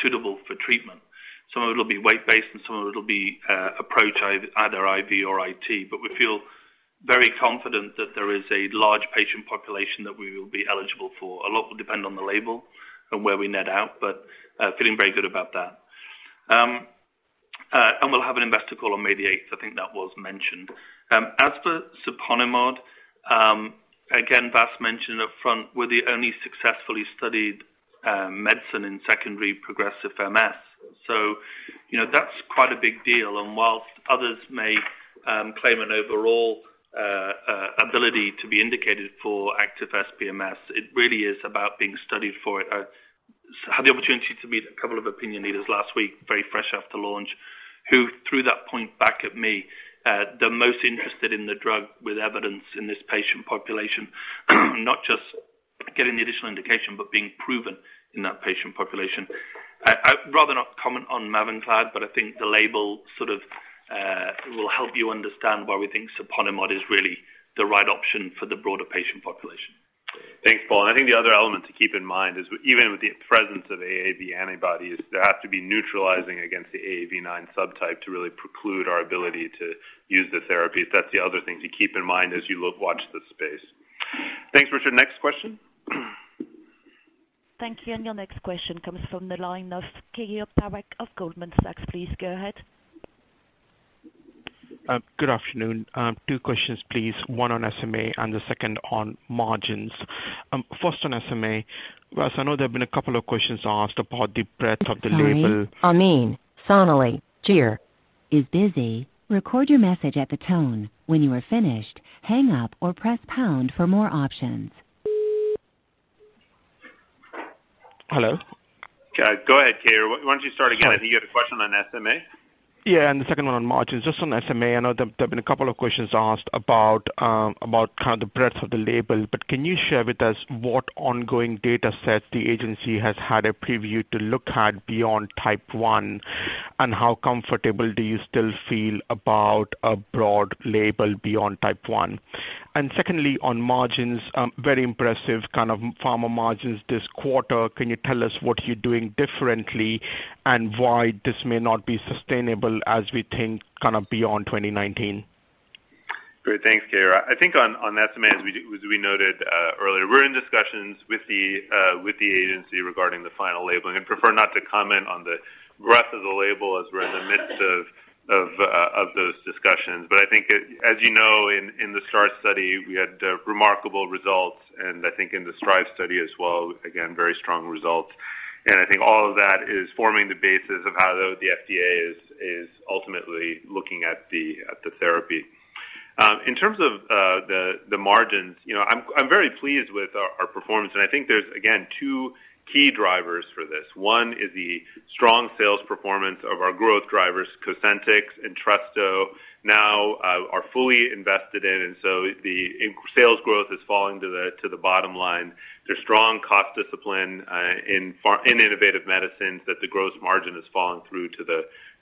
suitable for treatment. Some of it will be weight-based, and some of it will be approached either IV or IT. We feel very confident that there is a large patient population that we will be eligible for. A lot will depend on the label and where we net out, but feeling very good about that. We'll have an investor call on May the 8th. I think that was mentioned. As for siponimod, again, Vas mentioned up front, we're the only successfully studied medicine in secondary progressive MS. That's quite a big deal, and whilst others may claim an overall ability to be indicated for active SPMS, it really is about being studied for it. I had the opportunity to meet a couple of opinion leaders last week, very fresh after launch, who threw that point back at me. They're most interested in the drug with evidence in this patient population, not just getting the additional indication, but being proven in that patient population. I'd rather not comment on Mavenclad, but I think the label sort of will help you understand why we think siponimod is really the right option for the broader patient population. Thanks, Paul. I think the other element to keep in mind is even with the presence of AAV antibodies, they have to be neutralizing against the AAV9 subtype to really preclude our ability to use the therapies. That's the other thing to keep in mind as you watch this space. Thanks, Richard. Next question? Thank you. Your next question comes from the line of Keyur Parekh of Goldman Sachs. Please go ahead. Good afternoon. two questions, please. one on SMA and the second on margins. First on SMA. Vas, I know there have been a couple of questions asked about the breadth of the label. Sorry. [inaudible] is busy. Record your message at the tone. When you are finished, hang up or press pound for more options. Hello? Go ahead, Keyur. Why don't you start again? I think you had a question on SMA. The second one on margins. On SMA, I know there have been a couple of questions asked about kind of the breadth of the label, but can you share with us what ongoing data sets the agency has had a preview to look at beyond type 1, and how comfortable do you still feel about a broad label beyond type 1? Secondly, on margins, very impressive kind of pharma margins this quarter. Can you tell us what you're doing differently and why this may not be sustainable as we think kind of beyond 2019? Great. Thanks, Keyur. I think on SMA, as we noted earlier, we're in discussions with the agency regarding the final labeling and prefer not to comment on the breadth of the label as we're in the midst of those discussions. I think, as you know, in the START study, we had remarkable results and I think in the STR1VE study as well, again, very strong results. I think all of that is forming the basis of how the FDA is ultimately looking at the therapy. In terms of the margins, I'm very pleased with our performance, and I think there's, again, two key drivers for this. One is the strong sales performance of our growth drivers. Cosentyx and Entresto now are fully invested in, the sales growth is falling to the bottom line. There's strong cost discipline in innovative medicines that the gross margin is falling through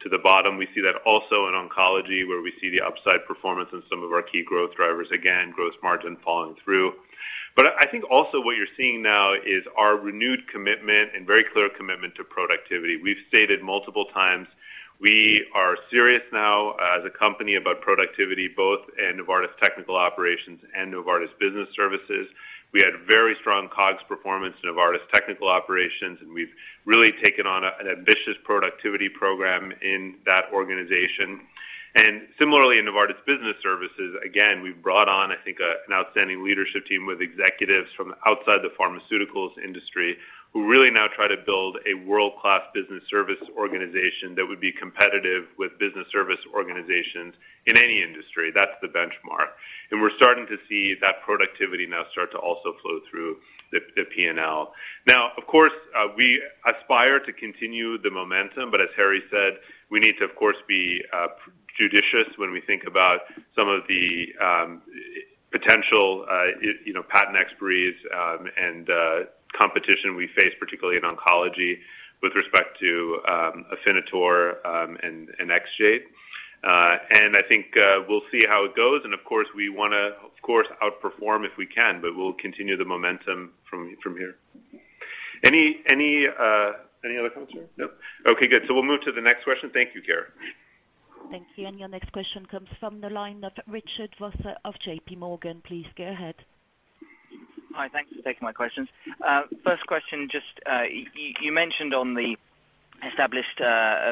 to the bottom. We see that also in Oncology, where we see the upside performance in some of our key growth drivers. Again, gross margin falling through. I think also what you're seeing now is our renewed commitment and very clear commitment to productivity. We've stated multiple times we are serious now as a company about productivity, both in Novartis Technical Operations and Novartis Business Services. We had very strong COGS performance in Novartis Technical Operations, and we've really taken on an ambitious productivity program in that organization. Similarly, in Novartis Business Services, again, we've brought on, I think an outstanding leadership team with executives from outside the pharmaceuticals industry who really now try to build a world-class business service organization that would be competitive with business service organizations in any industry. That's the benchmark. We're starting to see that productivity now start to also flow through the P&L. Of course, we aspire to continue the momentum, but as Harry said, we need to of course, be judicious when we think about some of the potential patent expiries and competition we face, particularly in Oncology with respect to Afinitor and Xgeva. I think we'll see how it goes. Of course, we want to outperform if we can, but we'll continue the momentum from here. Any other comments here? No. Okay, good. We'll move to the next question. Thank you, Keyur. Thank you. Your next question comes from the line of Richard Vosser of JPMorgan. Please go ahead. Hi. Thank you for taking my questions. First question, just you mentioned on the established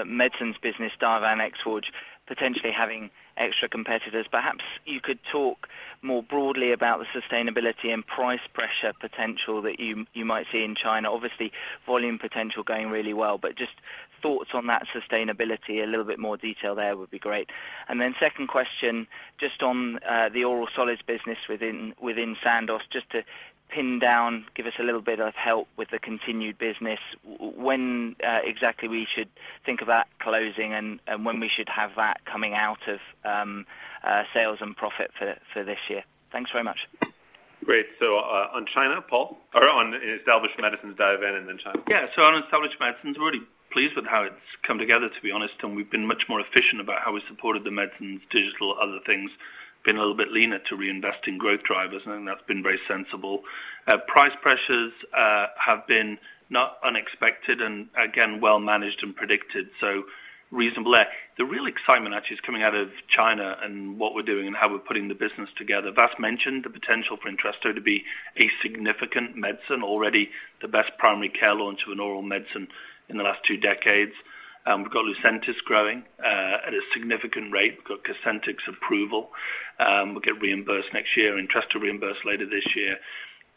medicines business, Diovan, Exforge, potentially having extra competitors. Perhaps you could talk more broadly about the sustainability and price pressure potential that you might see in China. Volume potential going really well, but just thoughts on that sustainability. A little bit more detail there would be great. Second question, just on the oral solids business within Sandoz, just to pin down, give us a little bit of help with the continued business. When exactly we should think about closing and when we should have that coming out of sales and profit for this year. Thanks very much. Great. On China, Paul, or on established medicines, Diovan and then China. Yeah. On established medicines, we're really pleased with how it's come together, to be honest, and we've been much more efficient about how we supported the medicines, digital, other things. Been a little bit leaner to reinvest in growth drivers, and that's been very sensible. Price pressures have been not unexpected and again, well managed and predicted, so reasonable there. The real excitement actually is coming out of China and what we're doing and how we're putting the business together. Vas mentioned the potential for Entresto to be a significant medicine. Already the best primary care launch of an oral medicine in the last 2 decades. We've got Lucentis growing at a significant rate. We've got Cosentyx approval. We'll get reimbursed next year, Entresto reimburse later this year.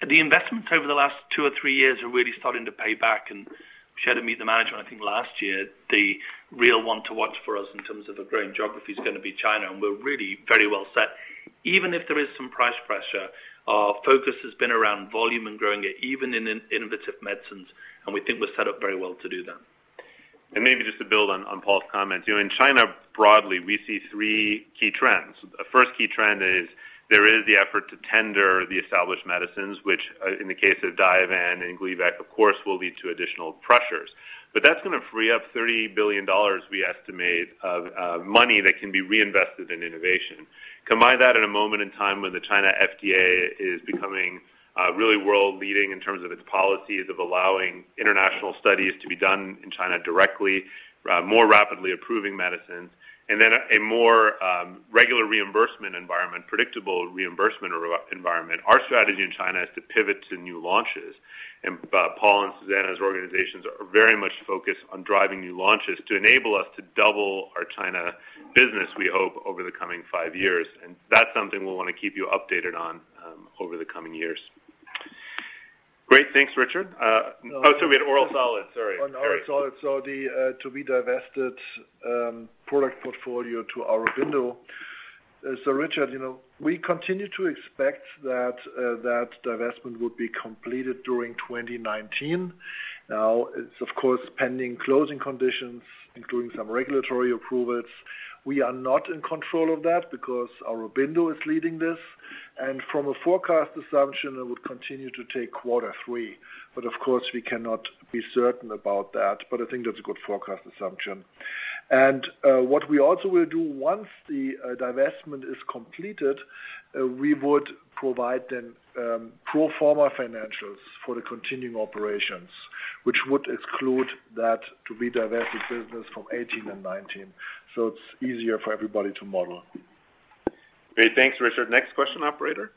The investment over the last two or three years are really starting to pay back and we shared in Meet the Management, I think, last year, the real one to watch for us in terms of a growing geography is going to be China, and we're really very well set. Even if there is some price pressure, our focus has been around volume and growing it even in innovative medicines, and we think we're set up very well to do that. Maybe just to build on Paul's comments. In China broadly, we see three key trends. A first key trend is there is the effort to tender the established medicines, which, in the case of Diovan and Gleevec, of course, will lead to additional pressures. That's going to free up CHF 30 billion, we estimate, of money that can be reinvested in innovation. Combine that in a moment in time when the China FDA is becoming really world-leading in terms of its policies of allowing international studies to be done in China directly, more rapidly approving medicines, and then a more regular reimbursement environment, predictable reimbursement environment. Our strategy in China is to pivot to new launches. Paul and Susanna's organizations are very much focused on driving new launches to enable us to double our China business, we hope, over the coming five years. That's something we'll want to keep you updated on over the coming years. Great. Thanks, Richard. We had oral solids, sorry. Harry. On oral solids. The to-be-divested product portfolio to Aurobindo. Richard, we continue to expect that divestment will be completed during 2019. Now it's of course pending closing conditions, including some regulatory approvals. We are not in control of that because Aurobindo is leading this. From a forecast assumption, it would continue to take quarter 3. Of course, we cannot be certain about that. I think that's a good forecast assumption. What we also will do once the divestment is completed, we would provide them pro forma financials for the continuing operations, which would exclude that to-be-divested business from 2018 and 2019, so it's easier for everybody to model. Great. Thanks, Richard. Next question, operator.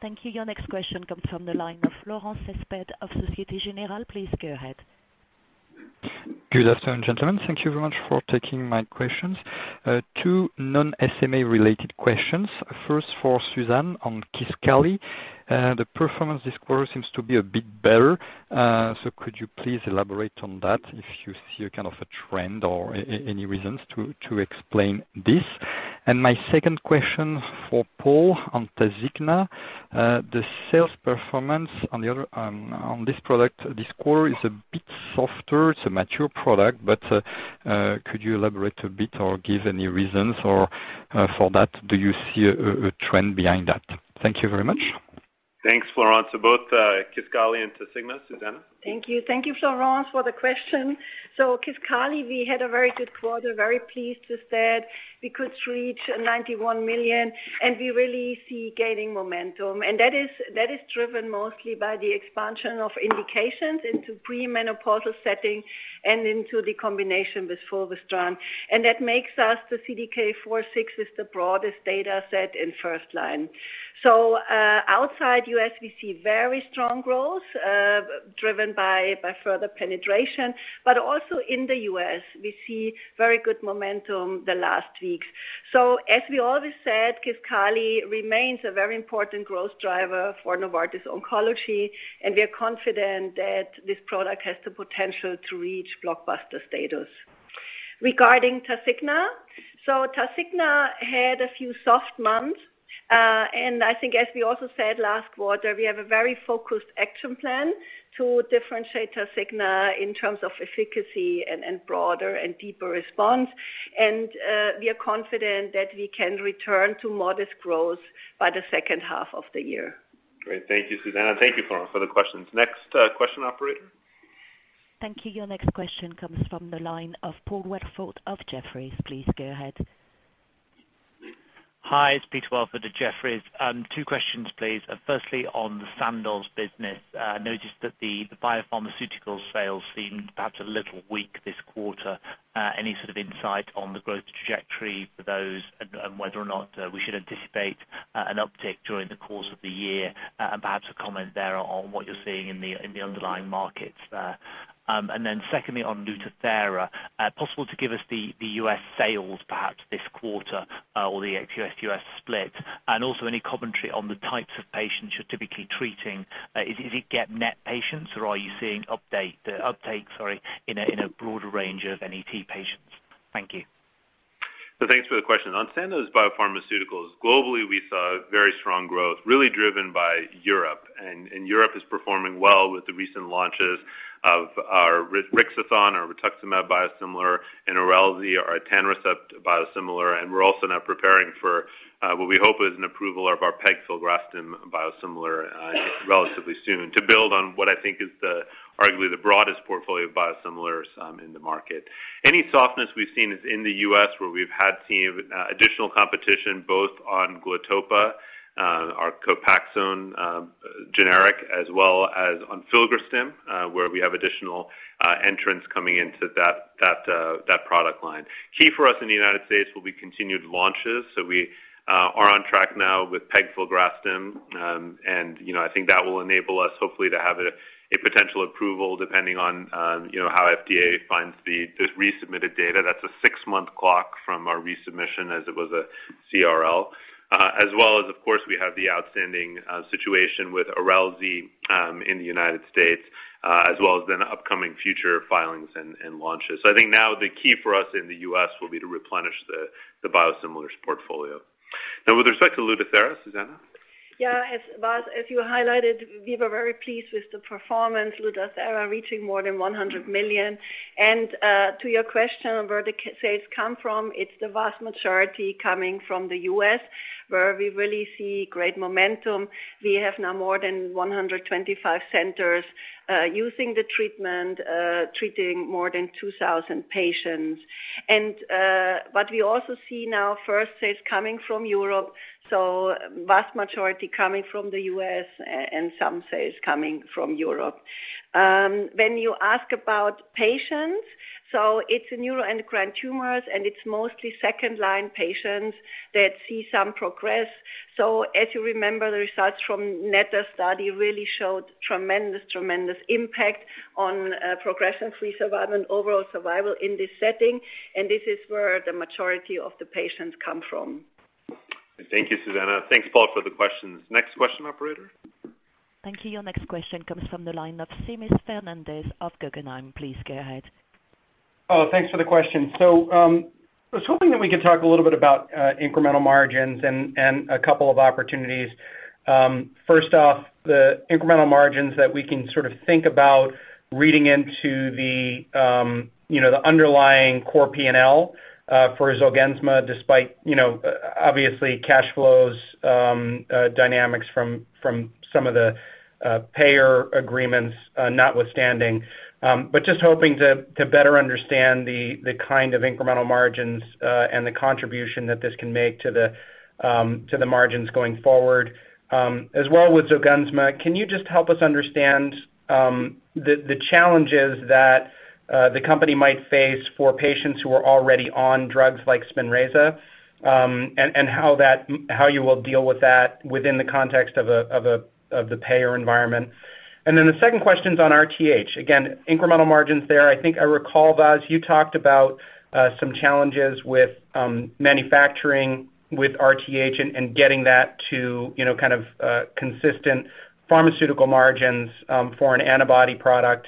Thank you. Your next question comes from the line of Florent Cespedes of Société Générale. Please go ahead. Good afternoon, gentlemen. Thank you very much for taking my questions. Two non-SMA related questions. First, for Susanne on Kisqali. The performance this quarter seems to be a bit better. Could you please elaborate on that if you see a kind of a trend or any reasons to explain this? My second question for Paul on Tasigna. The sales performance on this product this quarter is a bit softer. It's a mature product, could you elaborate a bit or give any reasons for that? Do you see a trend behind that? Thank you very much. Thanks, Florent. Both Kisqali and Tasigna. Susanne? Thank you. Thank you, Florent, for the question. Kisqali, we had a very good quarter, very pleased with that. We could reach 91 million, and we really see gaining momentum. That is driven mostly by the expansion of indications into premenopausal setting and into the combination with fulvestrant. That makes us the CDK4/6 with the broadest data set in first line. Outside U.S., we see very strong growth driven by further penetration. Also in the U.S., we see very good momentum the last weeks. As we always said, Kisqali remains a very important growth driver for Novartis Oncology, and we are confident that this product has the potential to reach blockbuster status. Regarding Tasigna. Tasigna had a few soft months. I think as we also said last quarter, we have a very focused action plan to differentiate Tasigna in terms of efficacy and broader and deeper response. We are confident that we can return to modest growth by the second half of the year. Great. Thank you, Susanne. Thank you, Florent, for the questions. Next question, operator. Thank you. Your next question comes from the line of Peter Welford of Jefferies. Please go ahead. Hi, it's Peter Welford at Jefferies. Two questions, please. Firstly, on the Sandoz business. I noticed that the biopharmaceutical sales seemed perhaps a little weak this quarter. Any sort of insight on the growth trajectory for those and whether or not we should anticipate an uptick during the course of the year? Perhaps a comment there on what you're seeing in the underlying markets there. Secondly, on Lutathera. Possible to give us the U.S. sales perhaps this quarter or the ex-U.S., U.S. split? Also any commentary on the types of patients you're typically treating. Is it GEP-NET patients or are you seeing uptake in a broader range of NET patients? Thank you. Thanks for the question. On Sandoz Biopharmaceuticals, globally, we saw very strong growth really driven by Europe. Europe is performing well with the recent launches of our Rixathon, our rituximab biosimilar, and Erelzi, our etanercept biosimilar. We're also now preparing for what we hope is an approval of our pegfilgrastim biosimilar relatively soon to build on what I think is arguably the broadest portfolio of biosimilars in the market. Any softness we've seen is in the U.S. where we've had additional competition both on Glatopa, our Copaxone generic, as well as on filgrastim, where we have additional entrants coming into that product line. Key for us in the United States will be continued launches. We are on track now with pegfilgrastim. I think that will enable us hopefully to have a potential approval depending on how FDA finds the resubmitted data. That's a six-month clock from our resubmission as it was a CRL. We have the outstanding situation with Erelzi in the U.S., as well as upcoming future filings and launches. I think now the key for us in the U.S. will be to replenish the biosimilars portfolio. With respect to Lutathera, Susanne? Vas, as you highlighted, we were very pleased with the performance, Lutathera reaching more than 100 million. To your question on where the sales come from, it's the vast majority coming from the U.S., where we really see great momentum. We have now more than 125 centers using the treatment, treating more than 2,000 patients. We also see now first sales coming from Europe, vast majority coming from the U.S. and some sales coming from Europe. When you ask about patients, it's neuroendocrine tumors, and it's mostly second-line patients that see some progress. As you remember, the results from NETTER study really showed tremendous impact on progression-free survival and overall survival in this setting. This is where the majority of the patients come from. Thank you, Susanne. Thanks, Paul, for the questions. Next question, operator. Thank you. Your next question comes from the line of Seamus Fernandez of Guggenheim. Please go ahead. Thanks for the question. I was hoping that we could talk a little bit about incremental margins and a couple of opportunities. First off, the incremental margins that we can sort of think about reading into the underlying core P&L for Zolgensma, despite, obviously cash flows dynamics from some of the payer agreements notwithstanding. Just hoping to better understand the kind of incremental margins, and the contribution that this can make to the margins going forward. As well with Zolgensma, can you just help us understand the challenges that the company might face for patients who are already on drugs like Spinraza? How you will deal with that within the context of the payer environment. The second question's on RTH. Again, incremental margins there. I think I recall, Vas, you talked about some challenges with manufacturing with RTH and getting that to consistent pharmaceutical margins for an antibody product.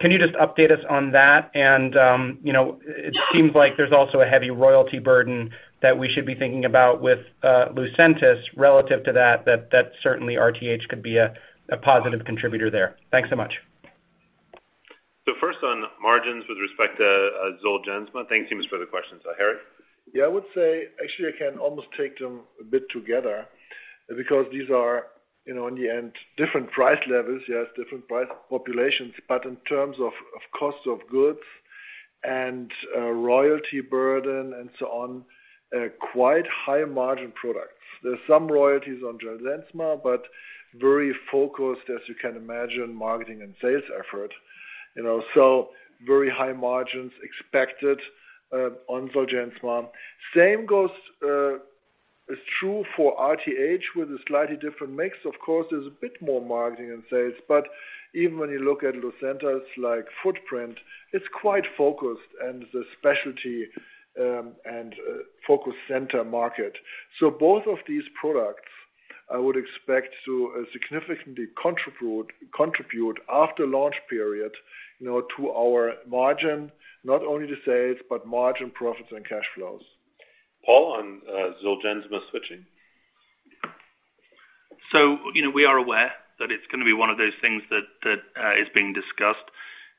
Can you just update us on that? It seems like there's also a heavy royalty burden that we should be thinking about with Lucentis relative to that, certainly RTH could be a positive contributor there. Thanks so much. First on margins with respect to Zolgensma. Thanks, Seamus, for the questions. Harry? I would say, actually, I can almost take them a bit together because these are, in the end, different price levels. Yes, different price populations, in terms of cost of goods and royalty burden and so on, quite high margin products. There's some royalties on Zolgensma, very focused, as you can imagine, marketing and sales effort. Very high margins expected on Zolgensma. Same is true for RTH with a slightly different mix. Of course, there's a bit more marketing and sales, even when you look at Lucentis footprint, it's quite focused and the specialty and focused center market. Both of these products, I would expect to significantly contribute after launch period to our margin. Not only the sales, but margin profits and cash flows. Paul, on Zolgensma switching. We are aware that it's going to be one of those things that is being discussed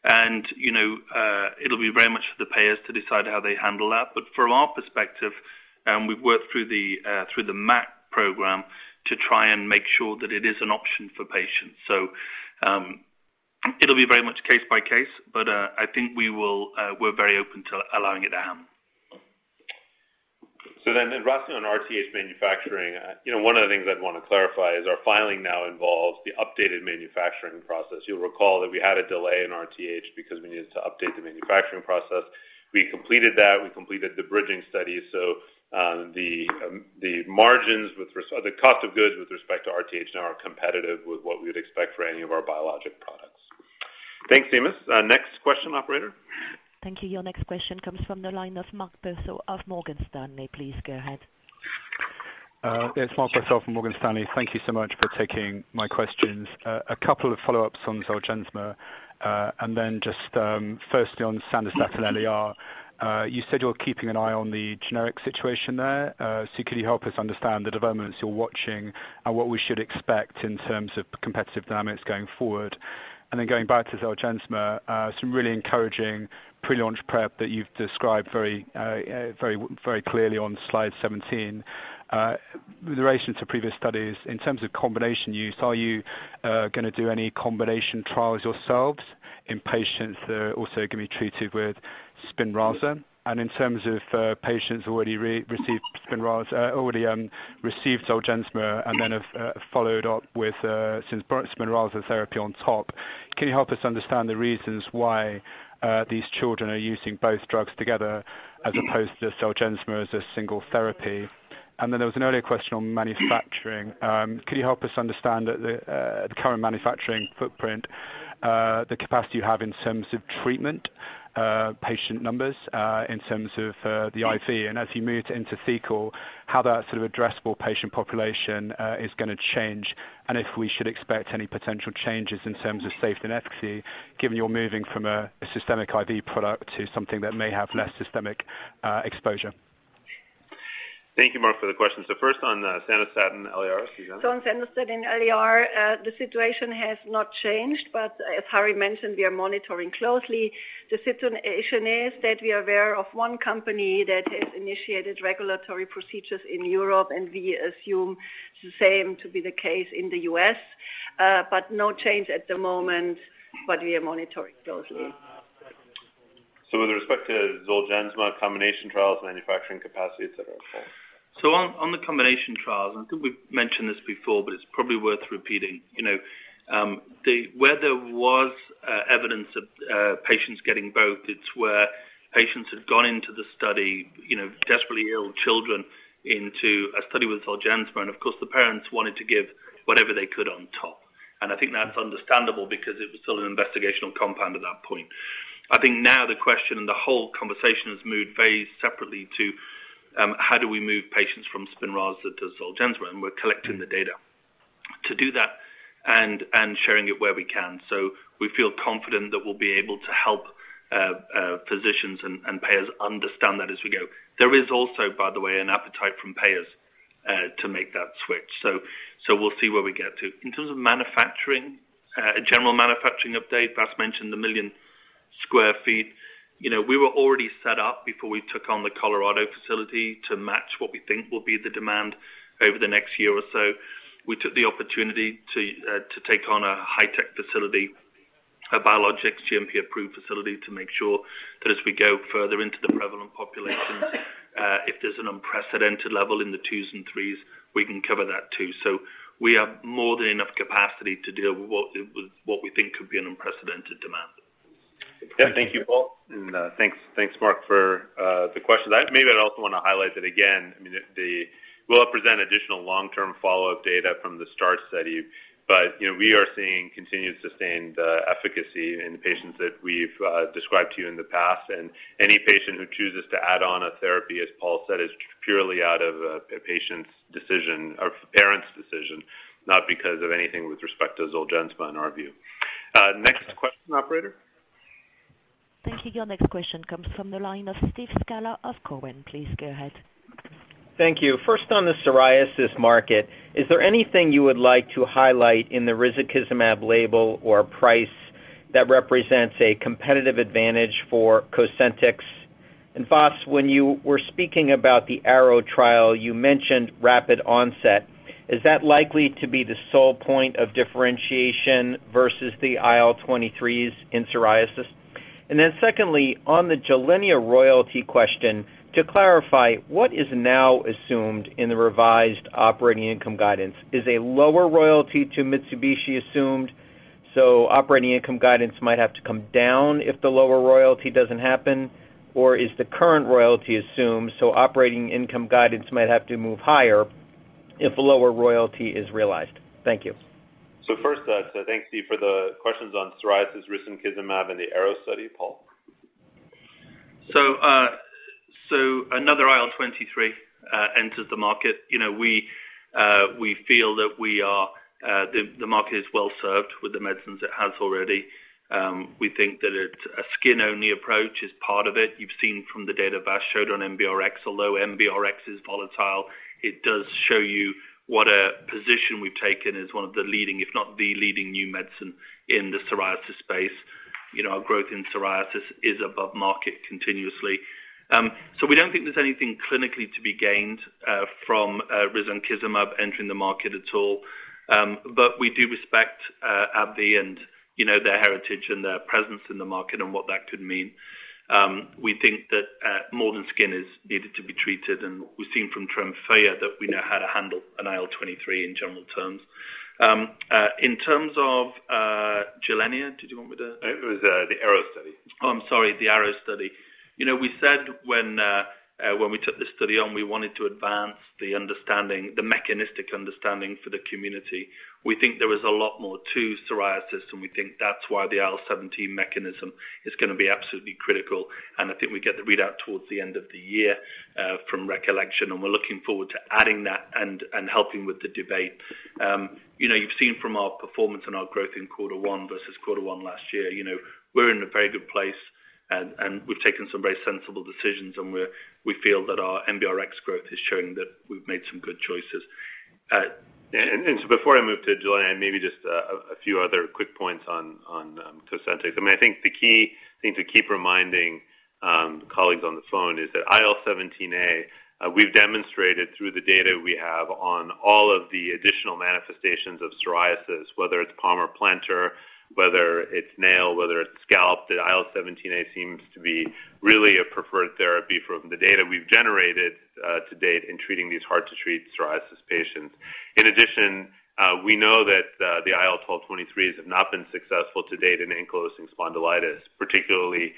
and it'll be very much for the payers to decide how they handle that. But from our perspective, we've worked through the MAP program to try and make sure that it is an option for patients. It'll be very much case by case, but I think we're very open to allowing it happen. Vas, on RTH manufacturing. One of the things I'd want to clarify is our filing now involves the updated manufacturing process. You'll recall that we had a delay in RTH because we needed to update the manufacturing process. We completed that. We completed the bridging study. The cost of goods with respect to RTH now are competitive with what we would expect for any of our biologic products. Thanks, Seamus. Next question, operator. Thank you. Your next question comes from the line of Mark Purcell of Morgan Stanley. Please go ahead. It's Mark Purcell from Morgan Stanley. Thank you so much for taking my questions. A couple of follow-ups on ZOLGENSMA, then just firstly on Sandostatin LAR. You said you're keeping an eye on the generic situation there. Could you help us understand the developments you're watching and what we should expect in terms of competitive dynamics going forward? Then going back to ZOLGENSMA, some really encouraging pre-launch prep that you've described very clearly on slide 17. With relation to previous studies, in terms of combination use, are you going to do any combination trials yourselves in patients that are also going to be treated with SPINRAZA? In terms of patients who already received ZOLGENSMA and then have followed up with SPINRAZA therapy on top, can you help us understand the reasons why these children are using both drugs together as opposed to ZOLGENSMA as a single therapy? Then there was an earlier question on manufacturing. Could you help us understand the current manufacturing footprint, the capacity you have in terms of treatment, patient numbers, in terms of the IV, and as you move into intrathecal, how that sort of addressable patient population is going to change, and if we should expect any potential changes in terms of safety and efficacy, given you're moving from a systemic IV product to something that may have less systemic exposure? Thank you, Mark, for the questions. First on Sandostatin LAR, Susanne. On Sandostatin LAR, the situation has not changed, as Harry mentioned, we are monitoring closely. The situation is that we are aware of one company that has initiated regulatory procedures in Europe, and we assume the same to be the case in the U.S. No change at the moment, but we are monitoring closely. With respect to Zolgensma combination trials, manufacturing capacity, et cetera, Paul. On the combination trials, I think we've mentioned this before, it's probably worth repeating. Where there was evidence of patients getting both, it's where patients had gone into the study, desperately ill children into a study with Zolgensma, and of course, the parents wanted to give whatever they could on top. I think that's understandable because it was still an investigational compound at that point. I think now the question and the whole conversation has moved very separately to how do we move patients from SPINRAZA to Zolgensma, and we're collecting the data to do that and sharing it where we can. We feel confident that we'll be able to help physicians and payers understand that as we go. There is also, by the way, an appetite from payers to make that switch. We'll see where we get to. In terms of manufacturing, a general manufacturing update, Vas mentioned the million sq ft. We were already set up before we took on the Colorado facility to match what we think will be the demand over the next year or so. We took the opportunity to take on a high-tech facility, a biologics GMP-approved facility to make sure that as we go further into the prevalent populations, if there's an unprecedented level in the 2s and 3s, we can cover that, too. We have more than enough capacity to deal with what we think could be an unprecedented demand. Thank you, Paul. Thanks, Mark, for the question. I'd also want to highlight that again, we'll present additional long-term follow-up data from the START study, but we are seeing continued sustained efficacy in the patients that we've described to you in the past. Any patient who chooses to add on a therapy, as Paul said, is purely out of a patient's decision or parent's decision, not because of anything with respect to Zolgensma, in our view. Next question, operator. Thank you. Your next question comes from the line of Steve Scala of Cowen. Please go ahead. Thank you. First, on the psoriasis market, is there anything you would like to highlight in the risankizumab label or price that represents a competitive advantage for Cosentyx? Vas, when you were speaking about the ARROW trial, you mentioned rapid onset. Is that likely to be the sole point of differentiation versus the IL-23s in psoriasis? Secondly, on the Gilenya royalty question, to clarify, what is now assumed in the revised operating income guidance? Is a lower royalty to Mitsubishi assumed, so operating income guidance might have to come down if the lower royalty doesn't happen? Is the current royalty assumed, so operating income guidance might have to move higher if a lower royalty is realized? Thank you. Thanks, Steve, for the questions on psoriasis, risankizumab, and the ARROW study. Paul? Another IL-23 enters the market. We feel that the market is well-served with the medicines it has already. We think that a skin-only approach is part of it. You've seen from the data Vas showed on NBRx, although NBRx is volatile, it does show you what a position we've taken as one of the leading, if not the leading new medicine in the psoriasis space. Our growth in psoriasis is above market continuously. We don't think there's anything clinically to be gained from risankizumab entering the market at all. We do respect AbbVie and their heritage and their presence in the market and what that could mean. We think that more than skin is needed to be treated, and we've seen from Tremfya that we know how to handle an IL-23 in general terms. In terms of Gilenya, did you want me to- It was the ARROW study. Oh, I'm sorry, the ARROW study. We said when we took this study on, we wanted to advance the mechanistic understanding for the community. We think there is a lot more to psoriasis, and we think that's why the IL-17 mechanism is going to be absolutely critical. I think we get the readout towards the end of the year from recollection, and we're looking forward to adding that and helping with the debate. You've seen from our performance and our growth in quarter one versus quarter one last year, we're in a very good place. We've taken some very sensible decisions, and we feel that our NBRx growth is showing that we've made some good choices. Before I move to Gilenya, maybe just a few other quick points on Cosentyx. I think the key thing to keep reminding colleagues on the phone is that IL-17A, we've demonstrated through the data we have on all of the additional manifestations of psoriasis, whether it's palm or plantar, whether it's nail, whether it's scalp, that IL-17A seems to be really a preferred therapy from the data we've generated to date in treating these hard-to-treat psoriasis patients. In addition, we know that the IL-12/-23s have not been successful to date in ankylosing spondylitis, particularly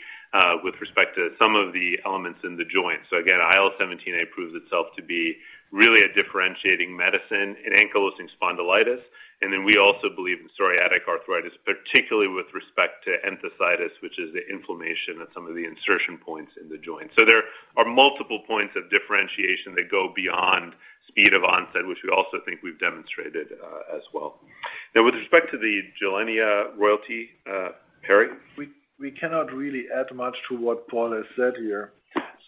with respect to some of the elements in the joint. Again, IL-17A proves itself to be really a differentiating medicine in ankylosing spondylitis. Then we also believe in psoriatic arthritis, particularly with respect to enthesitis, which is the inflammation at some of the insertion points in the joint. There are multiple points of differentiation that go beyond speed of onset, which we also think we've demonstrated as well. Now, with respect to the Gilenya royalty, Harry? We cannot really add much to what Paul has said here.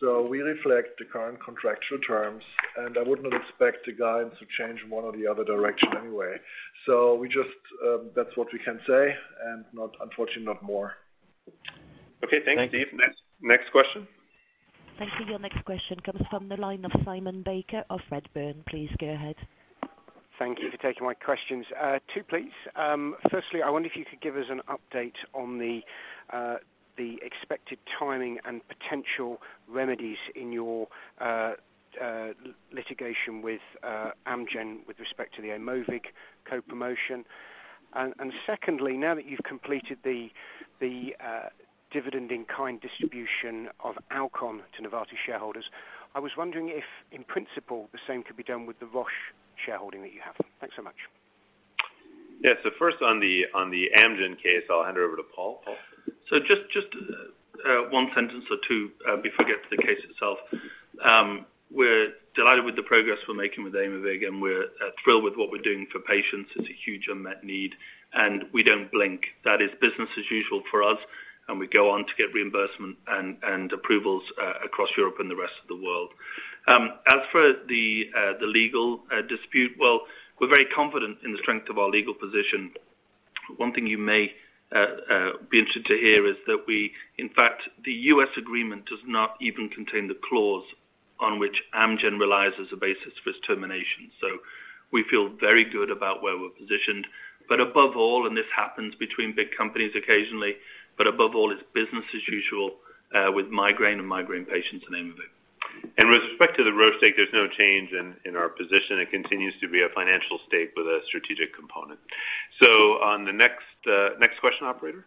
We reflect the current contractual terms, and I would not expect the guides to change one or the other direction anyway. That's what we can say, and unfortunately, not more. Okay, thanks, Steve. Next question. Thank you. Your next question comes from the line of Simon Baker of Redburn. Please go ahead. Thank you for taking my questions. Two, please. Firstly, I wonder if you could give us an update on the expected timing and potential remedies in your litigation with Amgen with respect to the Aimovig co-promotion. Secondly, now that you've completed the dividend in kind distribution of Alcon to Novartis shareholders, I was wondering if, in principle, the same could be done with the Roche shareholding that you have. Thanks so much. Yeah. First on the Amgen case, I'll hand it over to Paul. Paul? Just one sentence or two before we get to the case itself. We're delighted with the progress we're making with Aimovig, we're thrilled with what we're doing for patients. It's a huge unmet need, we don't blink. That is business as usual for us, we go on to get reimbursement and approvals across Europe and the rest of the world. As for the legal dispute, well, we're very confident in the strength of our legal position. One thing you may be interested to hear is that we, in fact, the U.S. agreement does not even contain the clause on which Amgen relies as a basis for its termination. We feel very good about where we're positioned. Above all, and this happens between big companies occasionally, above all, it's business as usual with migraine and migraine patients and Aimovig. With respect to the Roche stake, there's no change in our position. It continues to be a financial stake with a strategic component. On the next question, operator.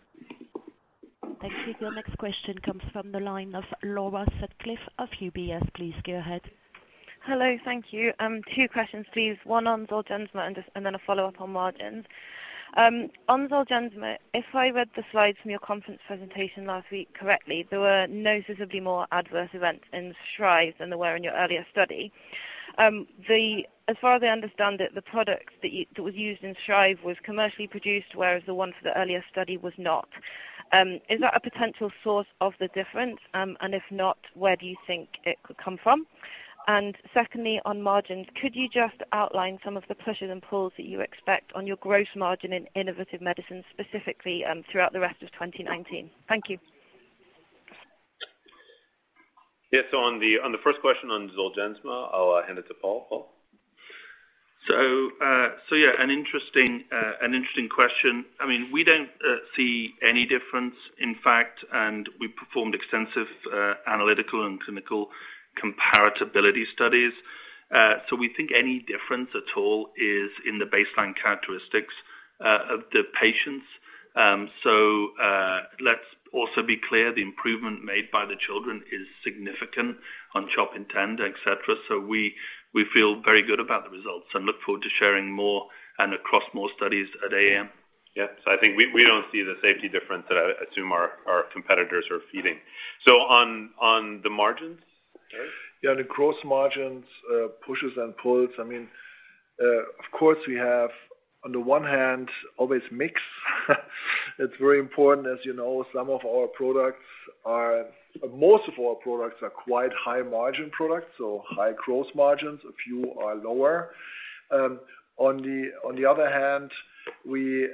Thank you. Your next question comes from the line of Laura Sutcliffe of UBS. Please go ahead. Hello. Thank you. Two questions, please. One on Zolgensma, then a follow-up on margins. On Zolgensma, if I read the slides from your conference presentation last week correctly, there were noticeably more adverse events in STR1VE than there were in your earlier study. As far as I understand it, the product that was used in STR1VE was commercially produced, whereas the one for the earlier study was not. Is that a potential source of the difference? If not, where do you think it could come from? Secondly, on margins, could you just outline some of the pushes and pulls that you expect on your gross margin in innovative medicines, specifically throughout the rest of 2019? Thank you. Yes. On the first question on Zolgensma, I'll hand it to Paul. Paul? Yeah, an interesting question. We don't see any difference, in fact, and we performed extensive analytical and clinical comparability studies. We think any difference at all is in the baseline characteristics of the patients. Let's also be clear, the improvement made by the children is significant on CHOP INTEND, et cetera. We feel very good about the results and look forward to sharing more and across more studies at AAN. Yeah. I think we don't see the safety difference that I assume our competitors are feeding. On the margins, Harry? Yeah, the gross margins, pushes and pulls. Of course, we have, on the one hand, always mix. It's very important. As you know, most of our products are quite high-margin products, so high gross margins. A few are lower. On the other hand, we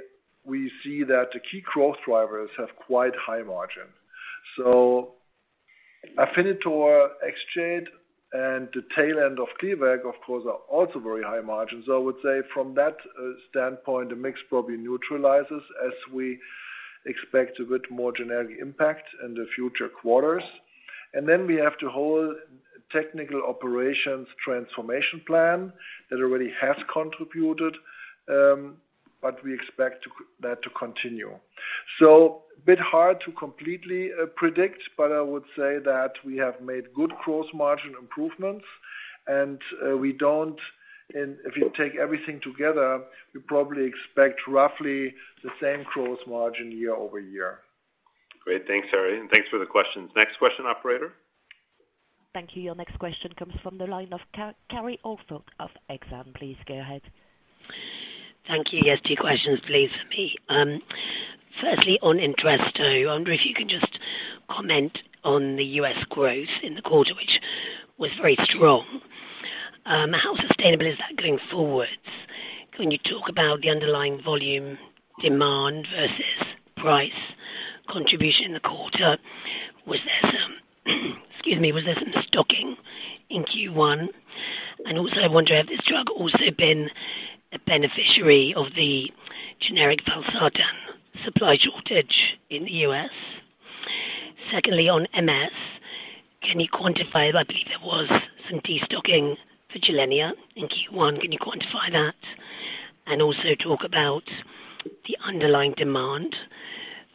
see that the key growth drivers have quite high margins. Afinitor, Exjade, and the tail end of Gleevec, of course, are also very high margins. I would say from that standpoint, the mix probably neutralizes as we expect a bit more generic impact in the future quarters. We have the whole technical operations transformation plan that already has contributed, but we expect that to continue. A bit hard to completely predict, but I would say that we have made good gross margin improvements, and if you take everything together, you probably expect roughly the same gross margin year-over-year. Great. Thanks, Harry, thanks for the questions. Next question, operator. Thank you. Your next question comes from the line of Kerry Holford of Exane. Please go ahead. Thank you. Yes, two questions please for me. Firstly, on Entresto, I wonder if you can just comment on the U.S. growth in the quarter, which was very strong. How sustainable is that going forward? Can you talk about the underlying volume demand versus price contribution in the quarter? Was there some stocking in Q1? Also, I wonder, has this drug also been a beneficiary of the generic valsartan supply shortage in the U.S.? Secondly, on MS, can you quantify, I believe there was some de-stocking for Gilenya in Q1. Can you quantify that and also talk about the underlying demand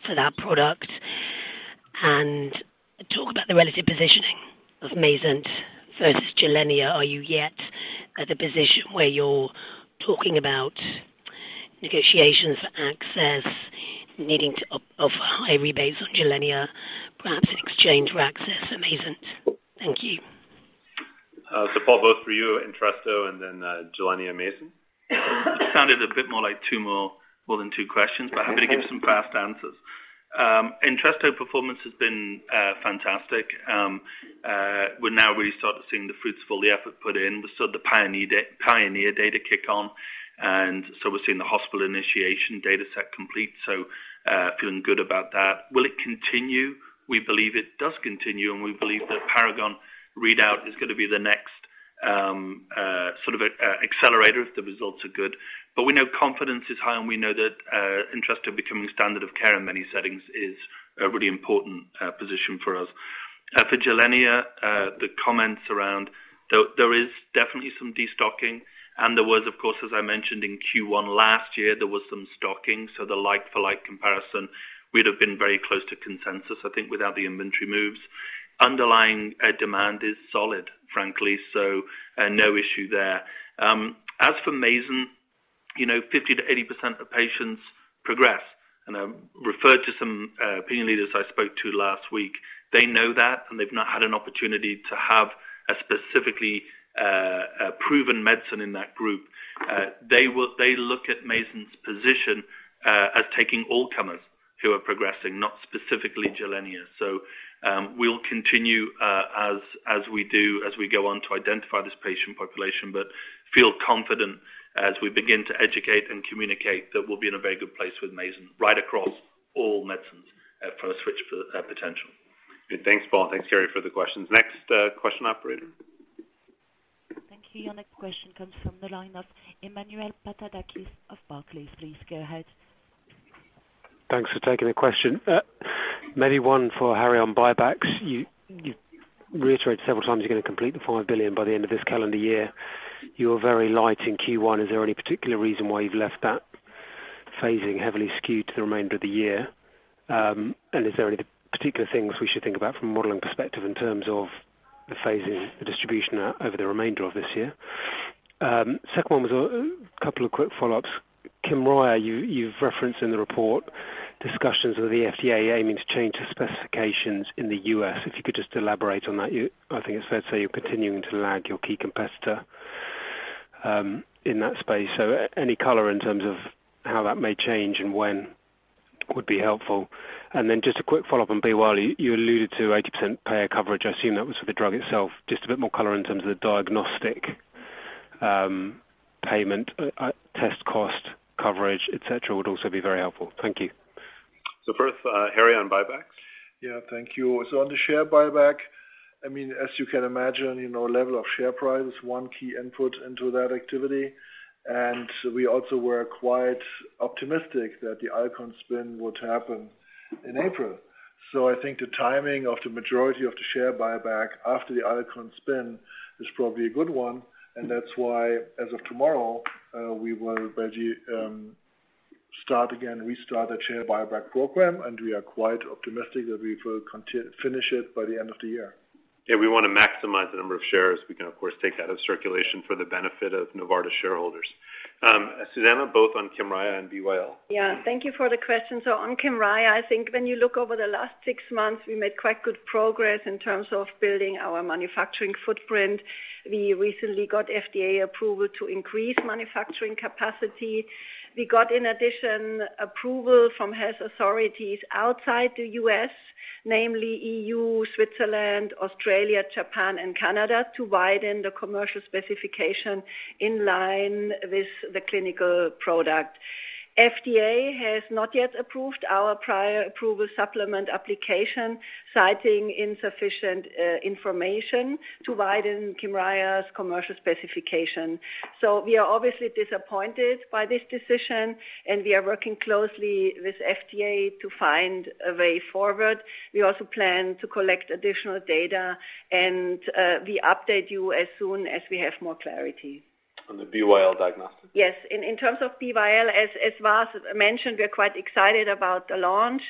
for that product? Talk about the relative positioning of MAYZENT versus Gilenya. Are you yet at the position where you're talking about negotiations for access, needing to offer high rebates on Gilenya, perhaps in exchange for access at MAYZENT? Thank you. Paul, both for you, Entresto and Gilenya and MAYZENT. It sounded a bit more like more than two questions, happy to give some fast answers. Entresto performance has been fantastic. We're now really started seeing the fruits for all the effort put in. We saw the PIONEER-HF data kick on, we're seeing the hospital initiation data set complete, feeling good about that. Will it continue? We believe it does continue, we believe that PARAGON-HF readout is going to be the next sort of accelerator if the results are good. We know confidence is high, we know that Entresto becoming standard of care in many settings is a really important position for us. For Gilenya, the comments around, there is definitely some de-stocking. There was, of course, as I mentioned in Q1 last year, there was some stocking, the like-for-like comparison, we'd have been very close to consensus, I think, without the inventory moves. Underlying demand is solid, frankly, no issue there. As for MAYZENT, 50%-80% of patients progress. I referred to some opinion leaders I spoke to last week. They know that, they've not had an opportunity to have a specifically proven medicine in that group. They look at MAYZENT's position as taking all comers who are progressing, not specifically Gilenya. We'll continue as we do, as we go on to identify this patient population, feel confident as we begin to educate and communicate that we'll be in a very good place with MAYZENT right across all medicines from a switch potential. Good. Thanks, Paul. Thanks, Kerry, for the questions. Next question, operator. Thank you. Your next question comes from the line of Emmanuel Papadakis of Barclays. Please go ahead. Thanks for taking the question. Maybe one for Harry on buybacks. You've reiterated several times you're going to complete the 5 billion by the end of this calendar year. You're very light in Q1. Is there any particular reason why you've left that phasing heavily skewed to the remainder of the year? Is there any particular things we should think about from a modeling perspective in terms of the phasing, the distribution over the remainder of this year? Second one was a couple of quick follow-ups. KYMRIAH, you've referenced in the report discussions with the FDA aiming to change the specifications in the U.S. If you could just elaborate on that. I think it's fair to say you're continuing to lag your key competitor in that space. Any color in terms of how that may change and when would be helpful. Just a quick follow-up on BYL. You alluded to 80% payer coverage. I assume that was for the drug itself. Just a bit more color in terms of the diagnostic payment, test cost coverage, et cetera, would also be very helpful. Thank you. First, Harry on buybacks. Yeah, thank you. On the share buyback, as you can imagine, level of share price is one key input into that activity. We also were quite optimistic that the Alcon spin would happen in April. I think the timing of the majority of the share buyback after the Alcon spin is probably a good one. That's why as of tomorrow, we will basically restart the share buyback program, and we are quite optimistic that we will finish it by the end of the year. Yeah, we want to maximize the number of shares we can, of course, take out of circulation for the benefit of Novartis shareholders. Susanne, both on KYMRIAH and BYL. Yeah. Thank you for the question. On KYMRIAH, I think when you look over the last six months, we made quite good progress in terms of building our manufacturing footprint. We recently got FDA approval to increase manufacturing capacity. We got, in addition, approval from health authorities outside the U.S., namely EU, Switzerland, Australia, Japan, and Canada, to widen the commercial specification in line with the clinical product. FDA has not yet approved our prior approval supplement application, citing insufficient information to widen KYMRIAH's commercial specification. We are obviously disappointed by this decision, and we are working closely with FDA to find a way forward. We also plan to collect additional data, and we update you as soon as we have more clarity. On the BYL diagnostic. Yes. In terms of BYL, as Vas mentioned, we are quite excited about the launch.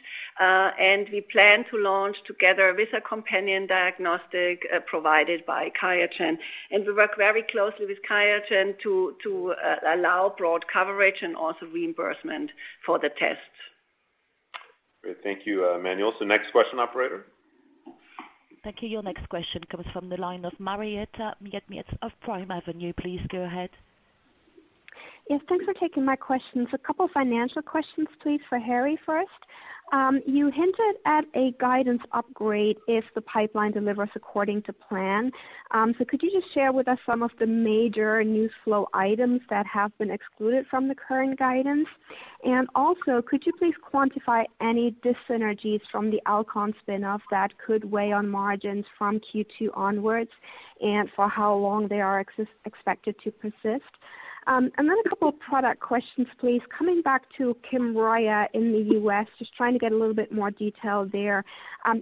We plan to launch together with a companion diagnostic provided by QIAGEN. We work very closely with QIAGEN to allow broad coverage and also reimbursement for the tests. Great. Thank you, Emmanuel. Next question, operator. Thank you. Your next question comes from the line of Marietta Miemietz of Primavenue. Please go ahead. Yes, thanks for taking my questions. A couple of financial questions, please, for Harry first. You hinted at a guidance upgrade if the pipeline delivers according to plan. Could you just share with us some of the major news flow items that have been excluded from the current guidance? Also, could you please quantify any dyssynergies from the Alcon spinoff that could weigh on margins from Q2 onwards, and for how long they are expected to persist? Then a couple product questions, please. Coming back to Kymriah in the U.S., just trying to get a little bit more detail there.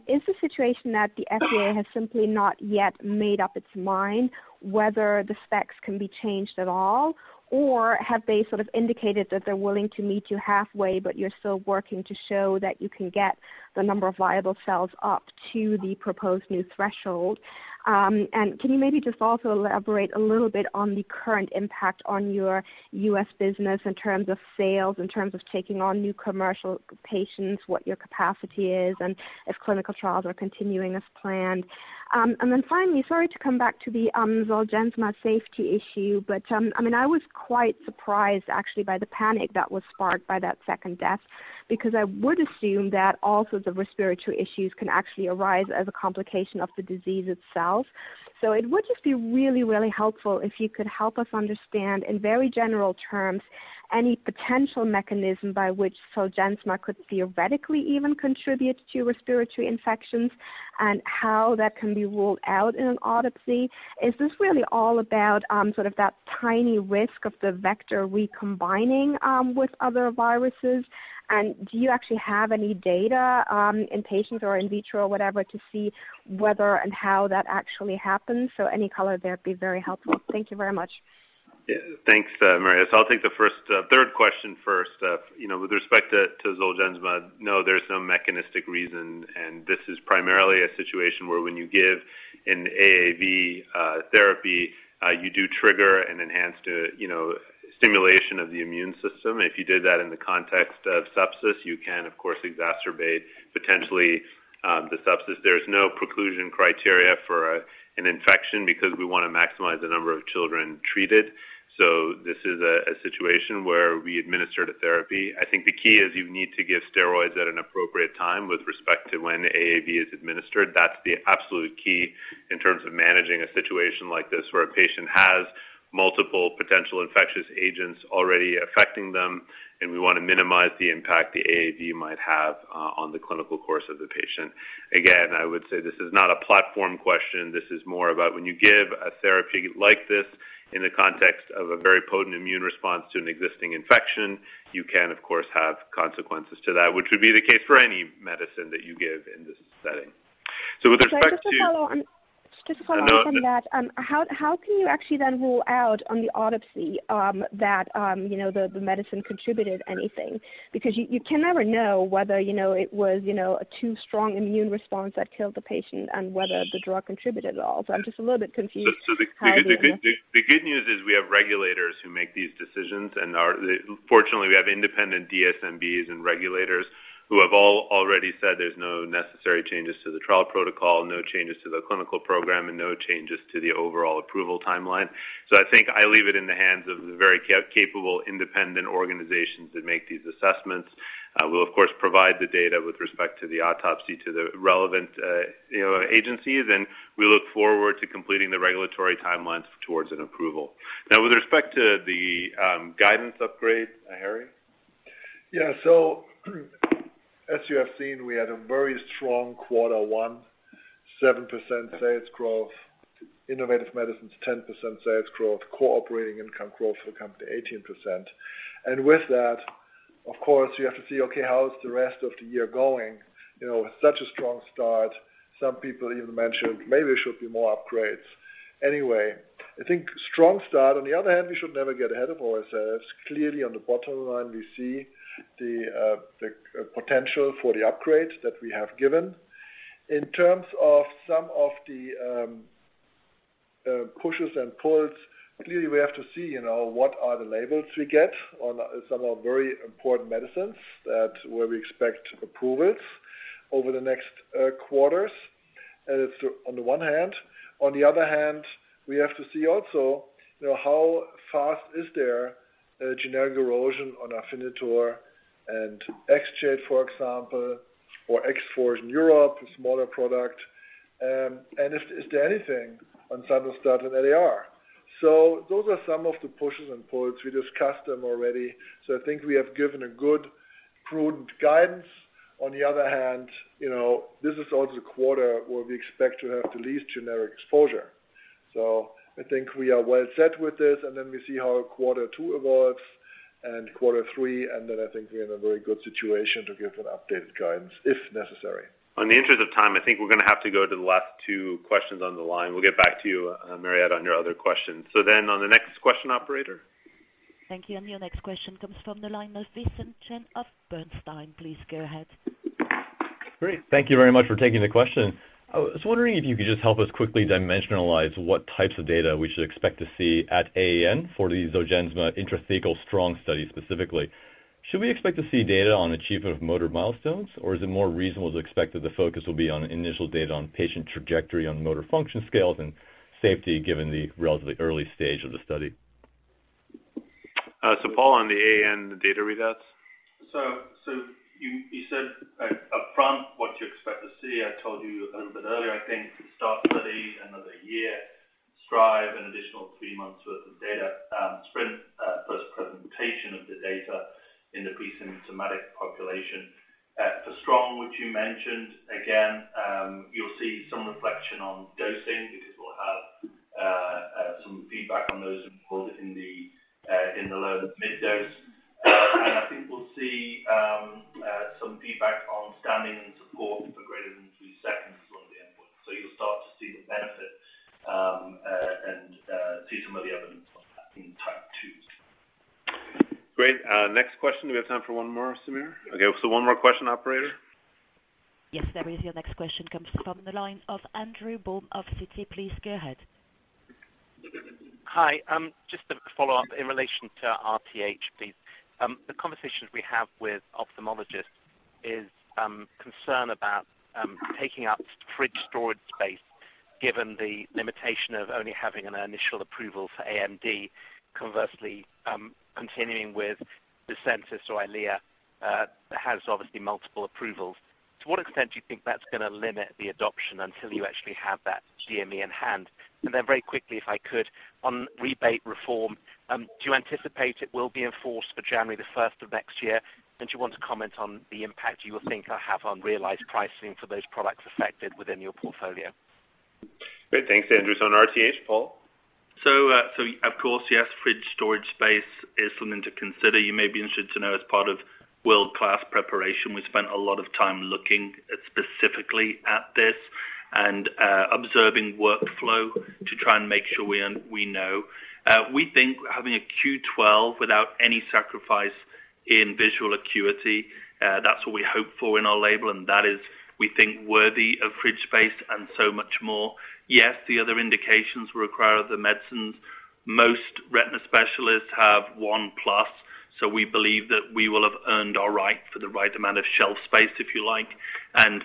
Is the situation that the FDA has simply not yet made up its mind whether the specs can be changed at all, or have they sort of indicated that they're willing to meet you halfway, but you're still working to show that you can get the number of viable cells up to the proposed new threshold? Can you maybe just also elaborate a little bit on the current impact on your U.S. business in terms of sales, in terms of taking on new commercial patients, what your capacity is, and if clinical trials are continuing as planned? Then finally, sorry to come back to the Zolgensma safety issue, but I was quite surprised, actually, by the panic that was sparked by that second death, because I would assume that all sorts of respiratory issues can actually arise as a complication of the disease itself. It would just be really helpful if you could help us understand, in very general terms, any potential mechanism by which Zolgensma could theoretically even contribute to respiratory infections and how that can be ruled out in an autopsy. Is this really all about that tiny risk of the vector recombining with other viruses? Do you actually have any data in patients or in vitro, whatever, to see whether and how that actually happens? Any color there would be very helpful. Thank you very much. Yeah. Thanks, Mariette. I'll take the third question first. With respect to Zolgensma, no, there's no mechanistic reason, this is primarily a situation where when you give an AAV therapy, you do trigger an enhanced stimulation of the immune system. If you did that in the context of sepsis, you can, of course, exacerbate potentially the sepsis. There is no preclusion criteria for an infection because we want to maximize the number of children treated. This is a situation where we administer the therapy. I think the key is you need to give steroids at an appropriate time with respect to when AAV is administered. That's the absolute key in terms of managing a situation like this, where a patient has multiple potential infectious agents already affecting them, and we want to minimize the impact the AAV might have on the clinical course of the patient. I would say this is not a platform question. This is more about when you give a therapy like this in the context of a very potent immune response to an existing infection, you can, of course, have consequences to that, which would be the case for any medicine that you give in this setting. Just a follow-on from that. No. How can you actually then rule out on the autopsy that the medicine contributed anything? Because you can never know whether it was a too strong immune response that killed the patient and whether the drug contributed at all. I'm just a little bit confused. The good news is we have regulators who make these decisions, and fortunately, we have independent DSMBs and regulators who have all already said there's no necessary changes to the trial protocol, no changes to the clinical program, and no changes to the overall approval timeline. I think I leave it in the hands of the very capable, independent organizations that make these assessments. We'll, of course, provide the data with respect to the autopsy to the relevant agencies, and we look forward to completing the regulatory timelines towards an approval. Now, with respect to the guidance upgrade, Harry? As you have seen, we had a very strong quarter one, 7% sales growth, innovative medicines 10% sales growth, core operating income growth for the company 18%. With that, of course, you have to see, okay, how is the rest of the year going? With such a strong start, some people even mentioned maybe there should be more upgrades. I think strong start. On the other hand, we should never get ahead of ourselves. On the bottom line, we see the potential for the upgrade that we have given. In terms of some of the pushes and pulls, clearly, we have to see what are the labels we get on some of the very important medicines that where we expect approvals over the next quarters. It's on the one hand. On the other hand, we have to see also how fast is there a generic erosion on Afinitor and Xgeva, for example, or Exforge in Europe, a smaller product. Is there anything on Sandostatin LAR? Those are some of the pushes and pulls. We discussed them already. I think we have given a good, prudent guidance. On the other hand, this is also the quarter where we expect to have the least generic exposure. I think we are well set with this, and then we see how quarter two evolves and quarter three, and then I think we're in a very good situation to give an updated guidance if necessary. On the interest of time, I think we're going to have to go to the last two questions on the line. We'll get back to you, Marietta, on your other questions. On the next question, operator. Thank you. Your next question comes from the line of Vincent Chen of Bernstein. Please go ahead. Great. Thank you very much for taking the question. I was wondering if you could just help us quickly dimensionalize what types of data we should expect to see at AAN for the ZOLGENSMA intrathecal STRONG study specifically. Should we expect to see data on achievement of motor milestones, or is it more reasonable to expect that the focus will be on initial data on patient trajectory on motor function scales and safety, given the relatively early stage of the study? Paul, on the AAN data readouts. You said upfront what you expect to see. I told you a little bit earlier, I think, START study, another year. STR1VE, an additional three months' worth of data. SPR1NT, first presentation of the data in the pre-symptomatic population. For STRONG, which you mentioned, again, you'll see some reflection on dosing because we'll have some feedback on those enrolled in the low to mid dose. I think we'll see some feedback on standing and support for greater than three seconds as one of the endpoints. You'll start to see the benefit and see some of the evidence on that in type 2s. Great. Next question. Do we have time for one more, Samir? Okay, one more question, operator. Yes, there is. Your next question comes from the lines of Andrew Baum of Citi. Please go ahead. Hi. Just a follow-up in relation to RTH, please. The conversations we have with ophthalmologists is concern about taking up fridge storage space, given the limitation of only having an initial approval for AMD. Conversely, continuing with Cosentyx, EYLEA has obviously multiple approvals. To what extent do you think that's going to limit the adoption until you actually have that DME in hand? Very quickly, if I could, on rebate reform, do you anticipate it will be in force for January the 1st of next year? Do you want to comment on the impact you think that'll have on realized pricing for those products affected within your portfolio? Great. Thanks, Andrew. On RTH, Paul? Of course, yes, fridge storage space is something to consider. You may be interested to know as part of world-class preparation, we spent a lot of time looking specifically at this and observing workflow to try and make sure we know. We think having a q12w without any sacrifice in visual acuity, that's what we hope for in our label, and that is, we think, worthy of fridge space and so much more. Yes, the other indications require the medicines. Most retina specialists have one plus, we believe that we will have earned our right for the right amount of shelf space, if you like.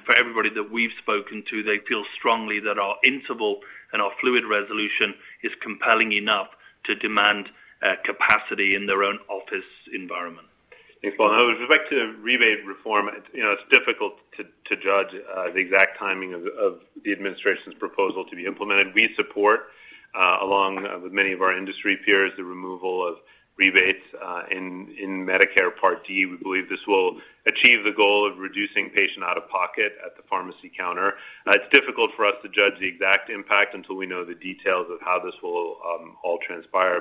For everybody that we've spoken to, they feel strongly that our interval and our fluid resolution is compelling enough to demand capacity in their own office environment. Thanks, Paul. With respect to rebate reform, it's difficult to judge the exact timing of the administration's proposal to be implemented. We support, along with many of our industry peers, the removal of rebates in Medicare Part D. We believe this will achieve the goal of reducing patient out-of-pocket at the pharmacy counter. It's difficult for us to judge the exact impact until we know the details of how this will all transpire.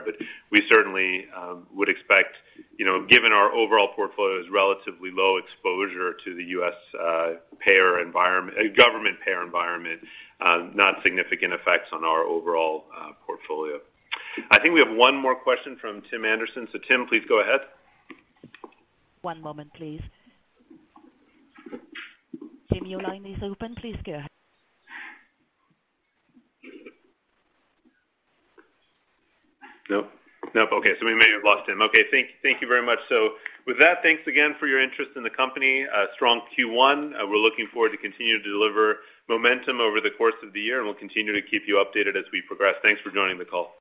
We certainly would expect, given our overall portfolio's relatively low exposure to the U.S. government payer environment, not significant effects on our overall portfolio. I think we have one more question from Tim Anderson. Tim, please go ahead. One moment, please. Tim, your line is open. Please go ahead. Nope. Okay. We may have lost Tim. Okay. Thank you very much. With that, thanks again for your interest in the company. A strong Q1. We're looking forward to continuing to deliver momentum over the course of the year, and we'll continue to keep you updated as we progress. Thanks for joining the call.